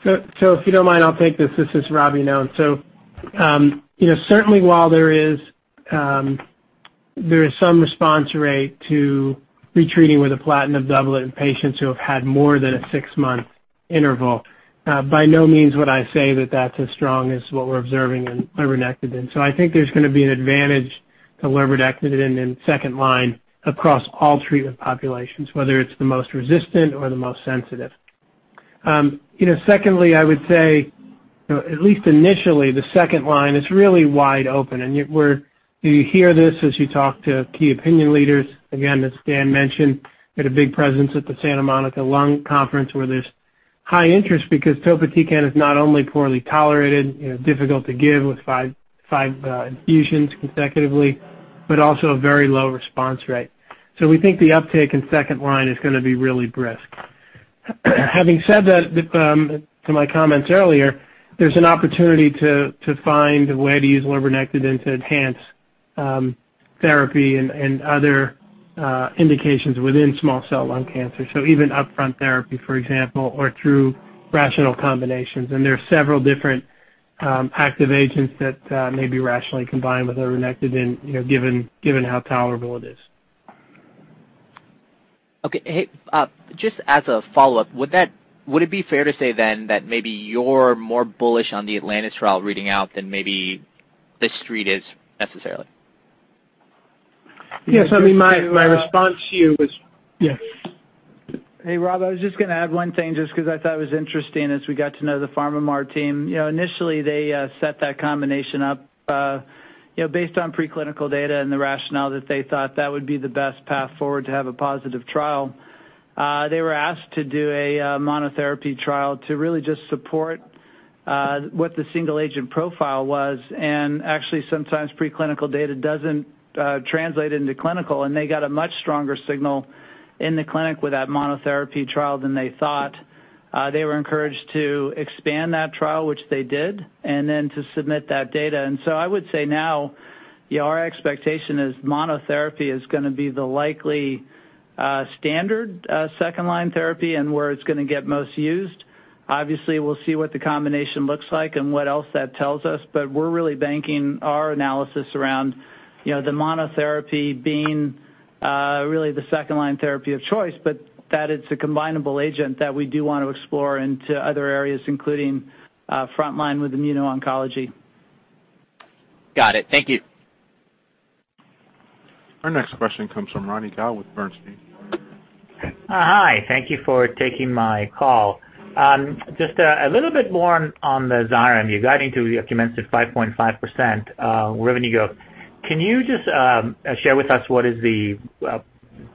If you don't mind, I'll take this. This is Rob Iannone. You know, certainly while there is some response rate to retreating with a platinum doublet in patients who have had more than a six-month interval, by no means would I say that that's as strong as what we're observing in lurbinectedin. I think there's gonna be an advantage to lurbinectedin in second line across all treatment populations, whether it's the most resistant or the most sensitive. You know, secondly, I would say, you know, at least initially, the second line is really wide open, and yet you hear this as you talk to key opinion leaders. Again, as Dan mentioned, we had a big presence at the Santa Monica Lung Conference where there's high interest because Topotecan is not only poorly tolerated, you know, difficult to give with 5 infusions consecutively, but also a very low response rate. We think the uptake in second line is gonna be really brisk. Having said that, to my comments earlier, there's an opportunity to find a way to use lurbinectedin to enhance therapy and other indications within small cell lung cancer. Even upfront therapy, for example, or through rational combinations. There are several different active agents that may be rationally combined with lurbinectedin, you know, given how tolerable it is. Hey, just as a follow-up, would it be fair to say that maybe you're more bullish on the ATLANTIS trial reading out than maybe the street is necessarily? Yes. I mean, my response to you is yes. Hey, Rob, I was just gonna add one thing just 'cause I thought it was interesting as we got to know the PharmaMar team. You know, initially, they set that combination up, you know, based on preclinical data and the rationale that they thought that would be the best path forward to have a positive trial. They were asked to do a monotherapy trial to really just support what the single agent profile was. Actually, sometimes preclinical data doesn't translate into clinical, and they got a much stronger signal in the clinic with that monotherapy trial than they thought. They were encouraged to expand that trial, which they did, and then to submit that data. I would say now, you know, our expectation is monotherapy is gonna be the likely standard second line therapy and where it's gonna get most used. Obviously, we'll see what the combination looks like and what else that tells us, but we're really banking our analysis around, you know, the monotherapy being really the second line therapy of choice, but that it's a combinable agent that we do want to explore into other areas, including frontline with immuno-oncology. Got it. Thank you. Our next question comes from Ronny Gal with Bernstein. Hi. Thank you for taking my call. Just a little bit more on the Xyrem. You're guiding to 5.5% revenue growth. Can you just share with us what is the,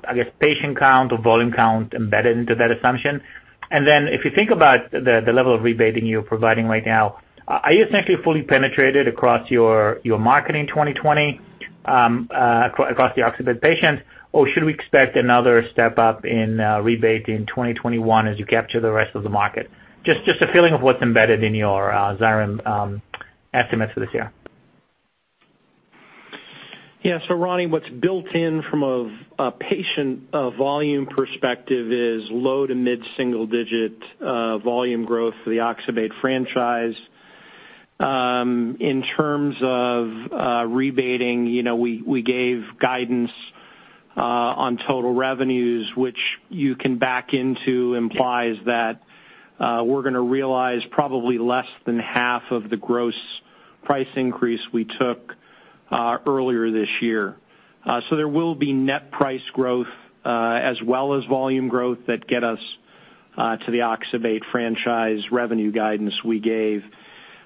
I guess, patient count or volume count embedded into that assumption? Then if you think about the level of rebating you're providing right now, are you essentially fully penetrated across your market in 2020 across the oxybate patients? Or should we expect another step up in rebate in 2021 as you capture the rest of the market? Just a feeling of what's embedded in your Xyrem estimates for this year. Ronny Gal, what's built in from a patient volume perspective is low- to mid-single-digit volume growth for the oxybate franchise. In terms of rebating, you know, we gave guidance on total revenues, which you can back into implies that we're gonna realize probably less than half of the gross price increase we took earlier this year. So there will be net price growth as well as volume growth that get us to the oxybate franchise revenue guidance we gave.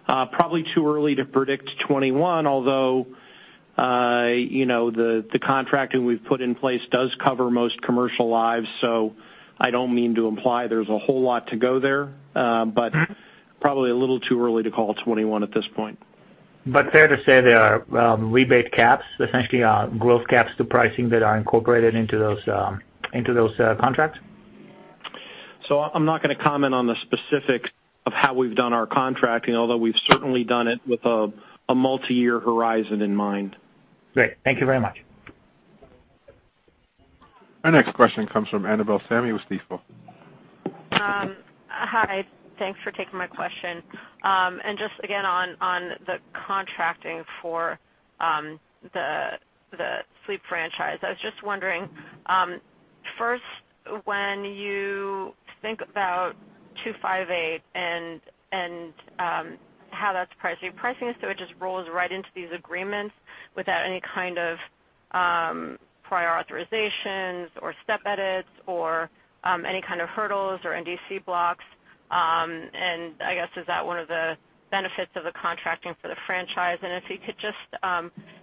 Probably too early to predict 2021, although you know, the contracting we've put in place does cover most commercial lives, so I don't mean to imply there's a whole lot to go there. But probably a little too early to call 2021 at this point. Fair to say there are rebate caps, essentially, growth caps to pricing that are incorporated into those contracts? I'm not gonna comment on the specifics of how we've done our contracting, although we've certainly done it with a multiyear horizon in mind. Great. Thank you very much. Our next question comes from Annabel Samimy with Stifel. Hi. Thanks for taking my question. Just again on the contracting for the sleep franchise. I was just wondering, first, when you think about JZP-258 and how that's priced, your pricing, so it just rolls right into these agreements without any kind of prior authorizations or step edits or any kind of hurdles or NDC blocks. I guess, is that one of the benefits of the contracting for the franchise? If you could just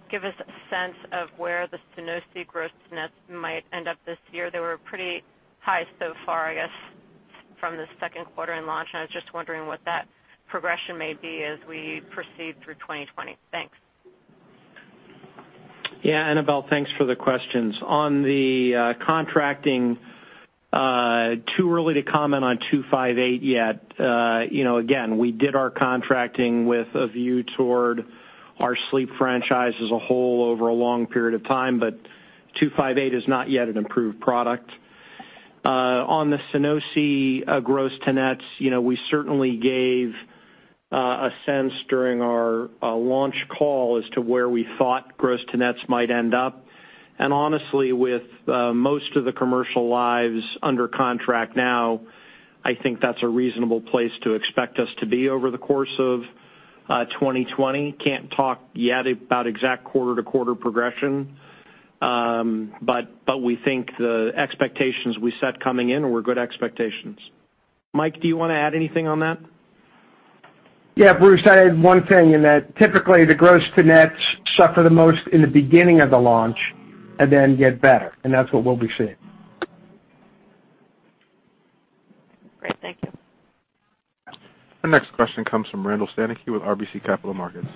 give us a sense of where the Sunosi gross-to-net might end up this year. They were pretty high so far, I guess, from the second quarter launch, and I was just wondering what that progression may be as we proceed through 2020. Thanks. Yeah. Annabel, thanks for the questions. On the contracting, too early to comment on 258 yet. You know, again, we did our contracting with a view toward our sleep franchise as a whole over a long period of time, but 258 is not yet an approved product. On the Sunosi, gross to nets, you know, we certainly gave a sense during our launch call as to where we thought gross to nets might end up. And honestly, with most of the commercial lives under contract now, I think that's a reasonable place to expect us to be over the course of 2020. Can't talk yet about exact quarter to quarter progression. But we think the expectations we set coming in were good expectations. Mike, do you wanna add anything on that? Yeah, Bruce, I add one thing, in that typically, the gross to nets suffer the most in the beginning of the launch and then get better, and that's what we'll be seeing. Great. Thank you. Our next question comes from Randall Stanicky with RBC Capital Markets.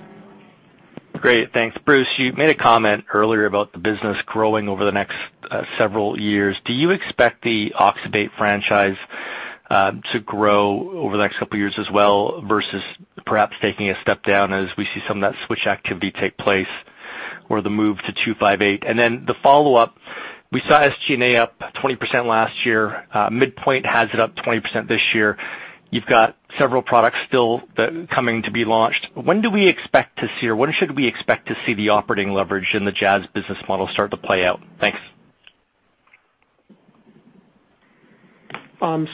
Great. Thanks. Bruce, you made a comment earlier about the business growing over the next several years. Do you expect the oxybate franchise to grow over the next couple years as well versus perhaps taking a step down as we see some of that switch activity take place or the move to 258? And then the follow-up, we saw SG&A up 20% last year. Midpoint has it up 20% this year. You've got several products still that coming to be launched. When do we expect to see, or when should we expect to see the operating leverage in the Jazz business model start to play out? Thanks. On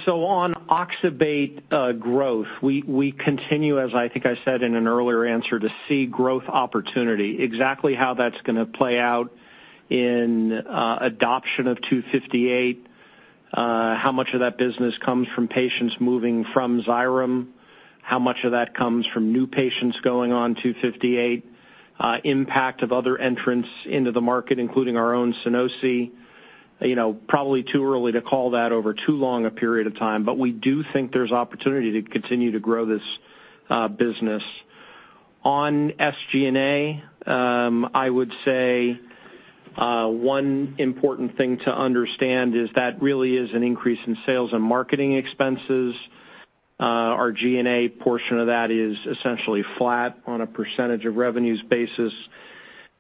oxybate growth, we continue, as I think I said in an earlier answer, to see growth opportunity. Exactly how that's gonna play out in adoption of 258, how much of that business comes from patients moving from Xyrem, how much of that comes from new patients going on 258, impact of other entrants into the market, including our own Sunosi. You know, probably too early to call that over too long a period of time, but we do think there's opportunity to continue to grow this business. On SG&A, I would say one important thing to understand is that really is an increase in sales and marketing expenses. Our G&A portion of that is essentially flat on a percentage of revenues basis.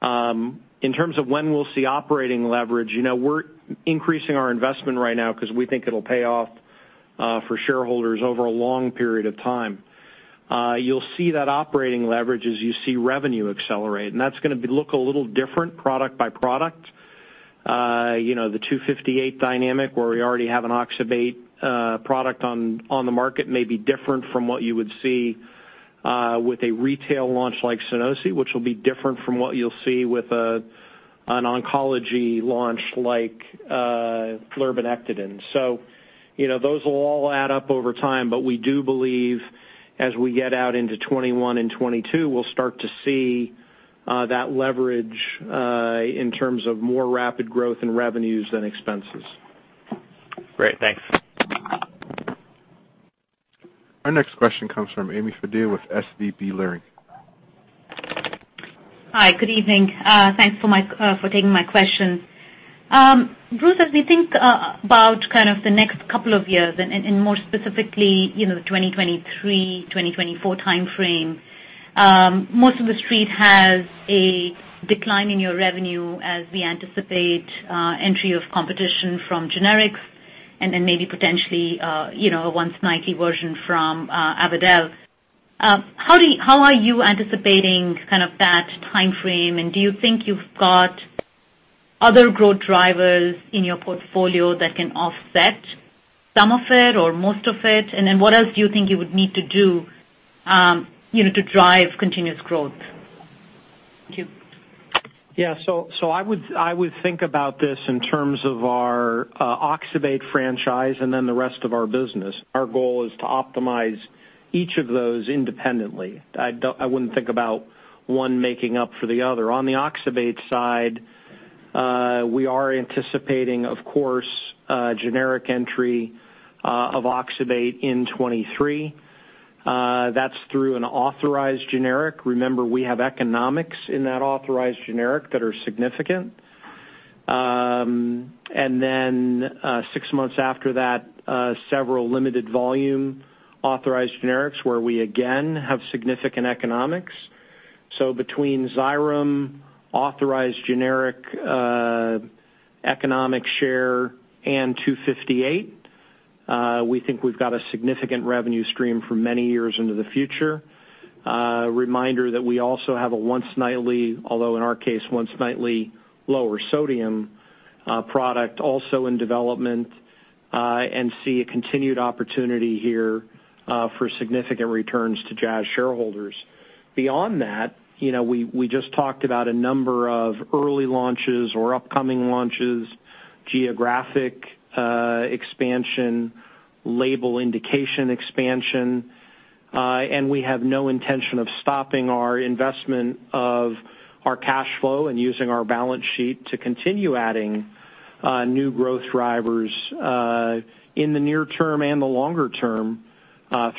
In terms of when we'll see operating leverage, you know, we're increasing our investment right now 'cause we think it'll pay off for shareholders over a long period of time. You'll see that operating leverage as you see revenue accelerate, and that's gonna be a little different product by product. You know, the JZP-258 dynamic where we already have an oxybate product on the market may be different from what you would see with a retail launch like Sunosi, which will be different from what you'll see with an oncology launch like lurbinectedin. Those will all add up over time, but we do believe as we get out into 2021 and 2022, we'll start to see that leverage in terms of more rapid growth in revenues than expenses. Great. Thanks. Our next question comes from Ami Fadia with SVB Leerink. Hi, good evening. Thanks for taking my question. Bruce, as we think about kind of the next couple of years and more specifically, you know, 2023, 2024 timeframe, most of the Street has a decline in your revenue as we anticipate entry of competition from generics and then maybe potentially, you know, a once-nightly version from Avadel Pharmaceuticals. How are you anticipating kind of that timeframe, and do you think you've got other growth drivers in your portfolio that can offset some of it or most of it? Then what else do you think you would need to do, you know, to drive continuous growth? Thank you. Yeah. I would think about this in terms of our Oxybate franchise and then the rest of our business. Our goal is to optimize each of those independently. I wouldn't think about one making up for the other. On the Oxybate side, we are anticipating, of course, generic entry of Oxybate in 2023. That's through an authorized generic. Remember, we have economics in that authorized generic that are significant. And then, six months after that, several limited volume authorized generics where we again have significant economics. Between Xyrem, authorized generic, economic share and 258, we think we've got a significant revenue stream for many years into the future. Reminder that we also have a once-nightly, although in our case, once-nightly lower sodium, product also in development, and see a continued opportunity here, for significant returns to Jazz shareholders. Beyond that, you know, we just talked about a number of early launches or upcoming launches, geographic, expansion, label indication expansion, and we have no intention of stopping our investment of our cash flow and using our balance sheet to continue adding, new growth drivers, in the near term and the longer term,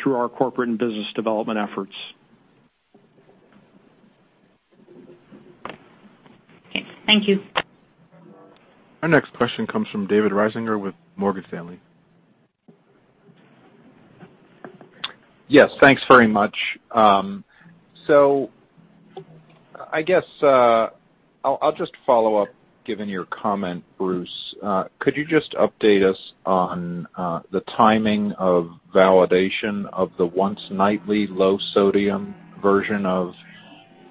through our corporate and business development efforts. Okay. Thank you. Our next question comes from David Risinger with Morgan Stanley. Yes, thanks very much. So I guess I'll just follow up, given your comment, Bruce. Could you just update us on the timing of validation of the once-nightly low sodium version of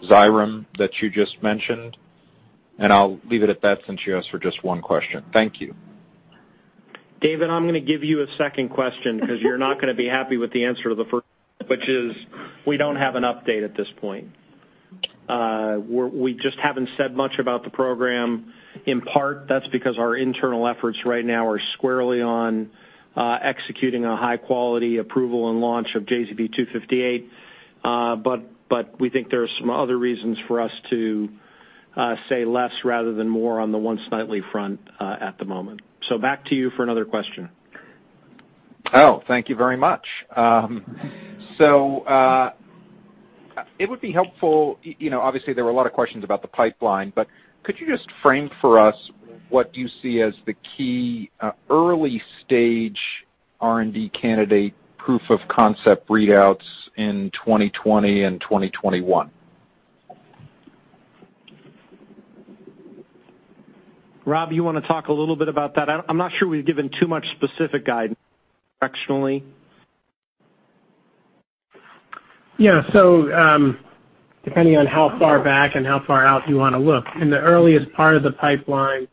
Xyrem that you just mentioned? I'll leave it at that since you asked for just one question. Thank you. David, I'm gonna give you a second question 'cause you're not gonna be happy with the answer to the first, which is we don't have an update at this point. We're just haven't said much about the program. In part, that's because our internal efforts right now are squarely on executing a high quality approval and launch of JZP-258. But we think there are some other reasons for us to say less rather than more on the once-nightly front at the moment. So back to you for another question. Thank you very much. It would be helpful, you know, obviously there were a lot of questions about the pipeline, but could you just frame for us what you see as the key, early stage R&D candidate proof of concept readouts in 2020 and 2021? Rob, you wanna talk a little bit about that? I'm not sure we've given too much specific guidance directionally. Yeah. Depending on how far back and how far out you wanna look, in the earliest part of the pipeline,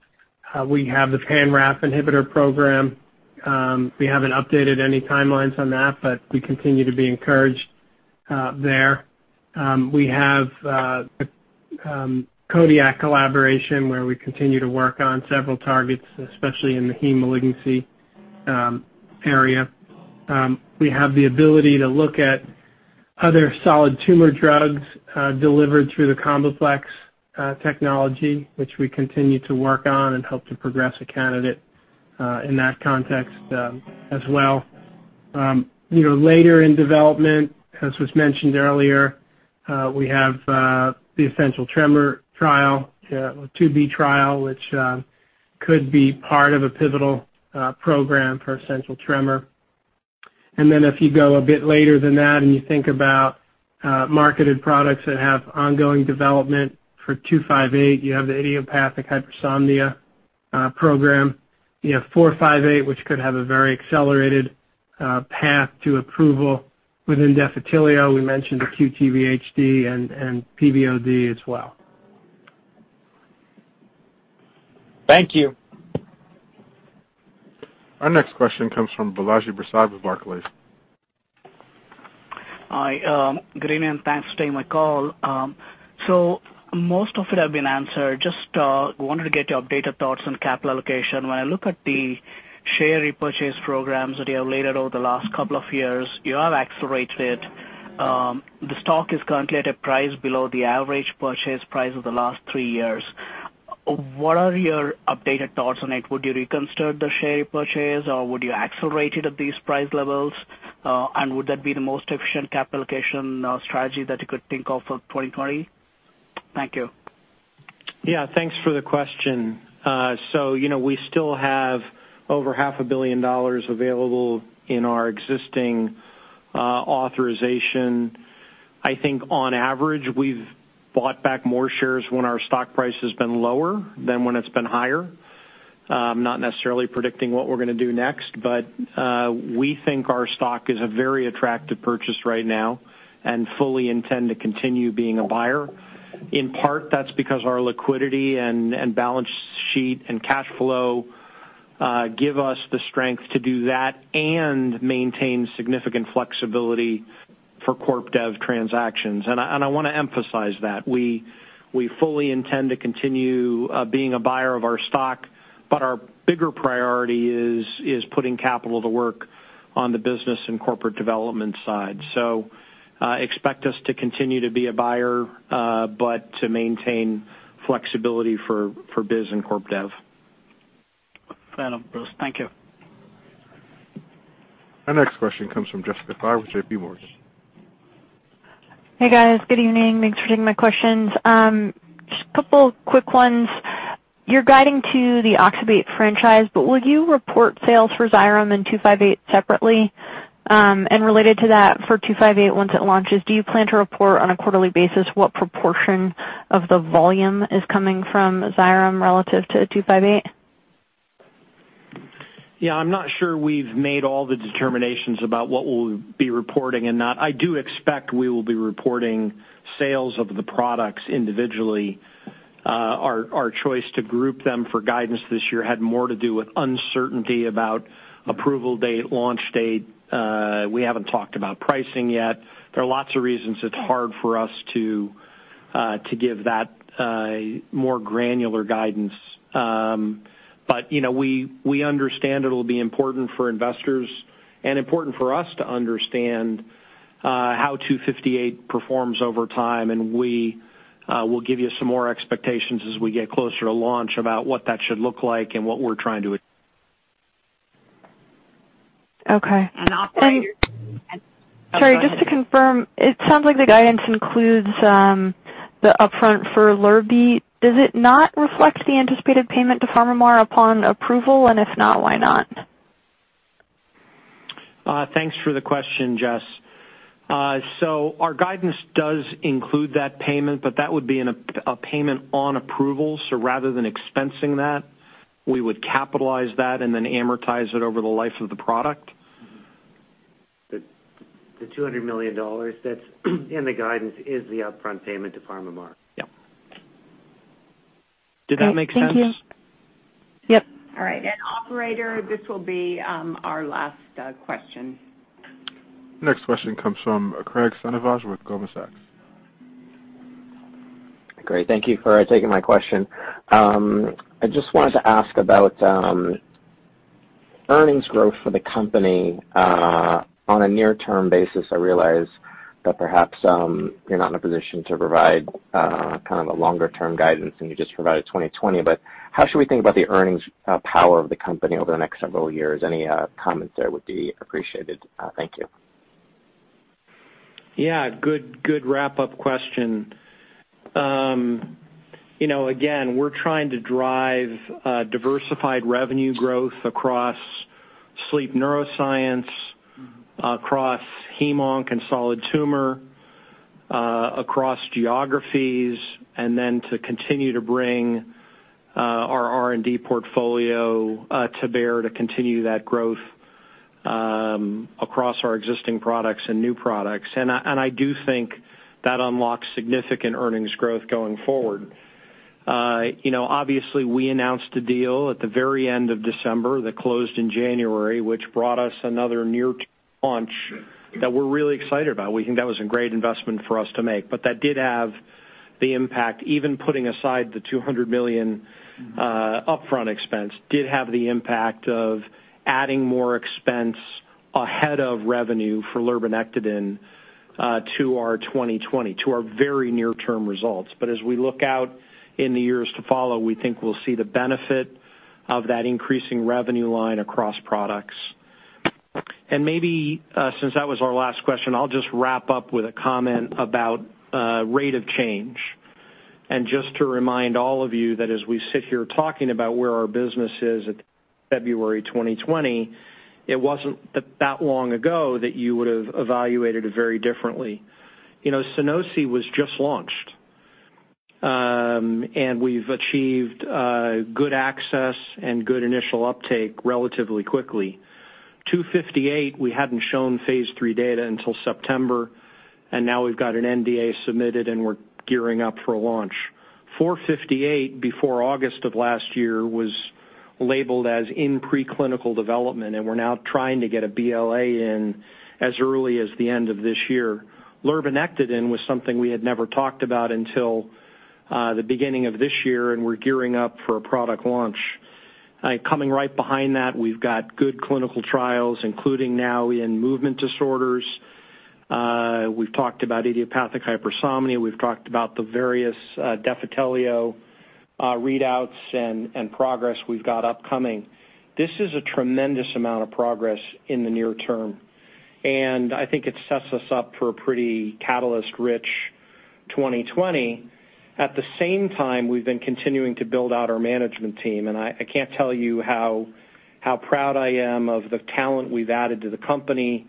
we have the pan-RAF inhibitor program. We haven't updated any timelines on that, but we continue to be encouraged there. We have Codiak collaboration, where we continue to work on several targets, especially in the heme malignancy area. We have the ability to look at other solid tumor drugs delivered through the CombiPlex technology, which we continue to work on and help to progress a candidate in that context, as well. You know, later in development, as was mentioned earlier, we have the essential tremor trial 2B trial which could be part of a pivotal program for essential tremor. Then if you go a bit later than that and you think about marketed products that have ongoing development for 258, you have the idiopathic hypersomnia program. You have 458, which could have a very accelerated path to approval. Within Defitelio, we mentioned the QTVOD and PVOD as well. Thank you. Our next question comes from Balaji Prasad with Barclays. Hi, good evening and thanks for taking my call. Most of it have been answered, just wanted to get your updated thoughts on capital allocation. When I look at the share repurchase programs that you have laid out over the last couple of years, you have accelerated. The stock is currently at a price below the average purchase price of the last three years. What are your updated thoughts on it? Would you reconsider the share purchase, or would you accelerate it at these price levels? Would that be the most efficient capital allocation strategy that you could think of for 2020? Thank you. Yeah, thanks for the question. So you know, we still have over half a billion dollars available in our existing authorization. I think on average, we've bought back more shares when our stock price has been lower than when it's been higher. Not necessarily predicting what we're gonna do next, but we think our stock is a very attractive purchase right now and fully intend to continue being a buyer. In part, that's because our liquidity and balance sheet and cash flow give us the strength to do that and maintain significant flexibility for corp dev transactions. I wanna emphasize that. We fully intend to continue being a buyer of our stock, but our bigger priority is putting capital to work on the business and corporate development side. Expect us to continue to be a buyer, but to maintain flexibility for biz and corp dev. Fair enough, Bruce. Thank you. Our next question comes from Jessica Fye with JPMorgan. Hey guys, good evening. Thanks for taking my questions. Just a couple quick ones. You're guiding to the oxybate franchise, but would you report sales for Xyrem and 258 separately? Related to that, for 258, once it launches, do you plan to report on a quarterly basis what proportion of the volume is coming from Xyrem relative to 258? Yeah, I'm not sure we've made all the determinations about what we'll be reporting and not. I do expect we will be reporting sales of the products individually. Our choice to group them for guidance this year had more to do with uncertainty about approval date, launch date. We haven't talked about pricing yet. There are lots of reasons it's hard for us to give that more granular guidance. You know, we understand it'll be important for investors and important for us to understand how JZP-258 performs over time, and we will give you some more expectations as we get closer to launch about what that should look like and what we're trying to achieve. Okay. I'll add. Sorry, just to confirm, it sounds like the guidance includes the upfront for lurbinectedin. Does it not reflect the anticipated payment to PharmaMar upon approval? If not, why not? Thanks for the question, Jess. Our guidance does include that payment, but that would be a payment on approval. Rather than expensing that, we would capitalize that and then amortize it over the life of the product. The $200 million that's in the guidance is the upfront payment to PharmaMar. Yep. Did that make sense? Thank you. Yep. All right, operator, this will be our last question. Next question comes from Graig Suvannavejh with Goldman Sachs. Great. Thank you for taking my question. I just wanted to ask about earnings growth for the company on a near-term basis. I realize that perhaps you're not in a position to provide kind of a longer-term guidance, and you just provided 2020, but how should we think about the earnings power of the company over the next several years? Any comments there would be appreciated. Thank you. Yeah, good wrap-up question. You know, again, we're trying to drive diversified revenue growth across sleep and neuroscience, across hem/onc and solid tumor, across geographies and then to continue to bring our R&D portfolio to bear to continue that growth across our existing products and new products. I do think that unlocks significant earnings growth going forward. You know, obviously, we announced a deal at the very end of December that closed in January, which brought us another near launch that we're really excited about. We think that was a great investment for us to make. That did have the impact, even putting aside the $200 million upfront expense, of adding more expense ahead of revenue for lurbinectedin to our 2020, to our very near-term results. As we look out in the years to follow, we think we'll see the benefit of that increasing revenue line across products. Maybe, since that was our last question, I'll just wrap up with a comment about rate of change. Just to remind all of you that as we sit here talking about where our business is at February 2020, it wasn't that long ago that you would've evaluated it very differently. You know, Sunosi was just launched. And we've achieved good access and good initial uptake relatively quickly. JZP-258, we hadn't shown phase III data until September, and now we've got an NDA submitted, and we're gearing up for a launch. JZP-458, before August of last year, was labeled as in preclinical development, and we're now trying to get a BLA in as early as the end of this year. Lurbinectedin was something we had never talked about until the beginning of this year, and we're gearing up for a product launch. Coming right behind that, we've got good clinical trials, including now in movement disorders. We've talked about idiopathic hypersomnia. We've talked about the various Defitelio readouts and progress we've got upcoming. This is a tremendous amount of progress in the near term, and I think it sets us up for a pretty catalyst-rich 2020. At the same time, we've been continuing to build out our management team, and I can't tell you how proud I am of the talent we've added to the company.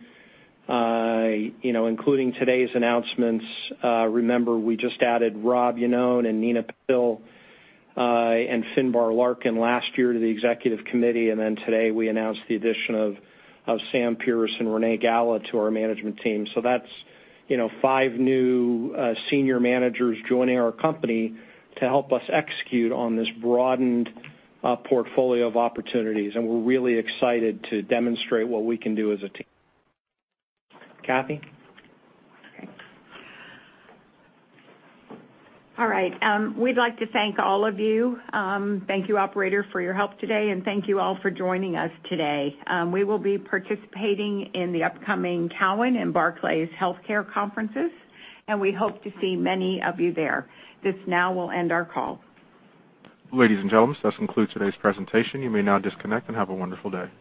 You know, including today's announcements, remember, we just added Rob Iannone and Neena Patil, and Finbar Larkin last year to the executive committee. Then today, we announced the addition of Sam Pearce and Renée Galá to our management team. That's, you know, five new senior managers joining our company to help us execute on this broadened portfolio of opportunities. We're really excited to demonstrate what we can do as a team. Kathee? All right. We'd like to thank all of you. Thank you, operator, for your help today, and thank you all for joining us today. We will be participating in the upcoming Cowen and Barclays Healthcare conferences, and we hope to see many of you there. This now will end our call. Ladies and gentlemen, this concludes today's presentation. You may now disconnect and have a wonderful day.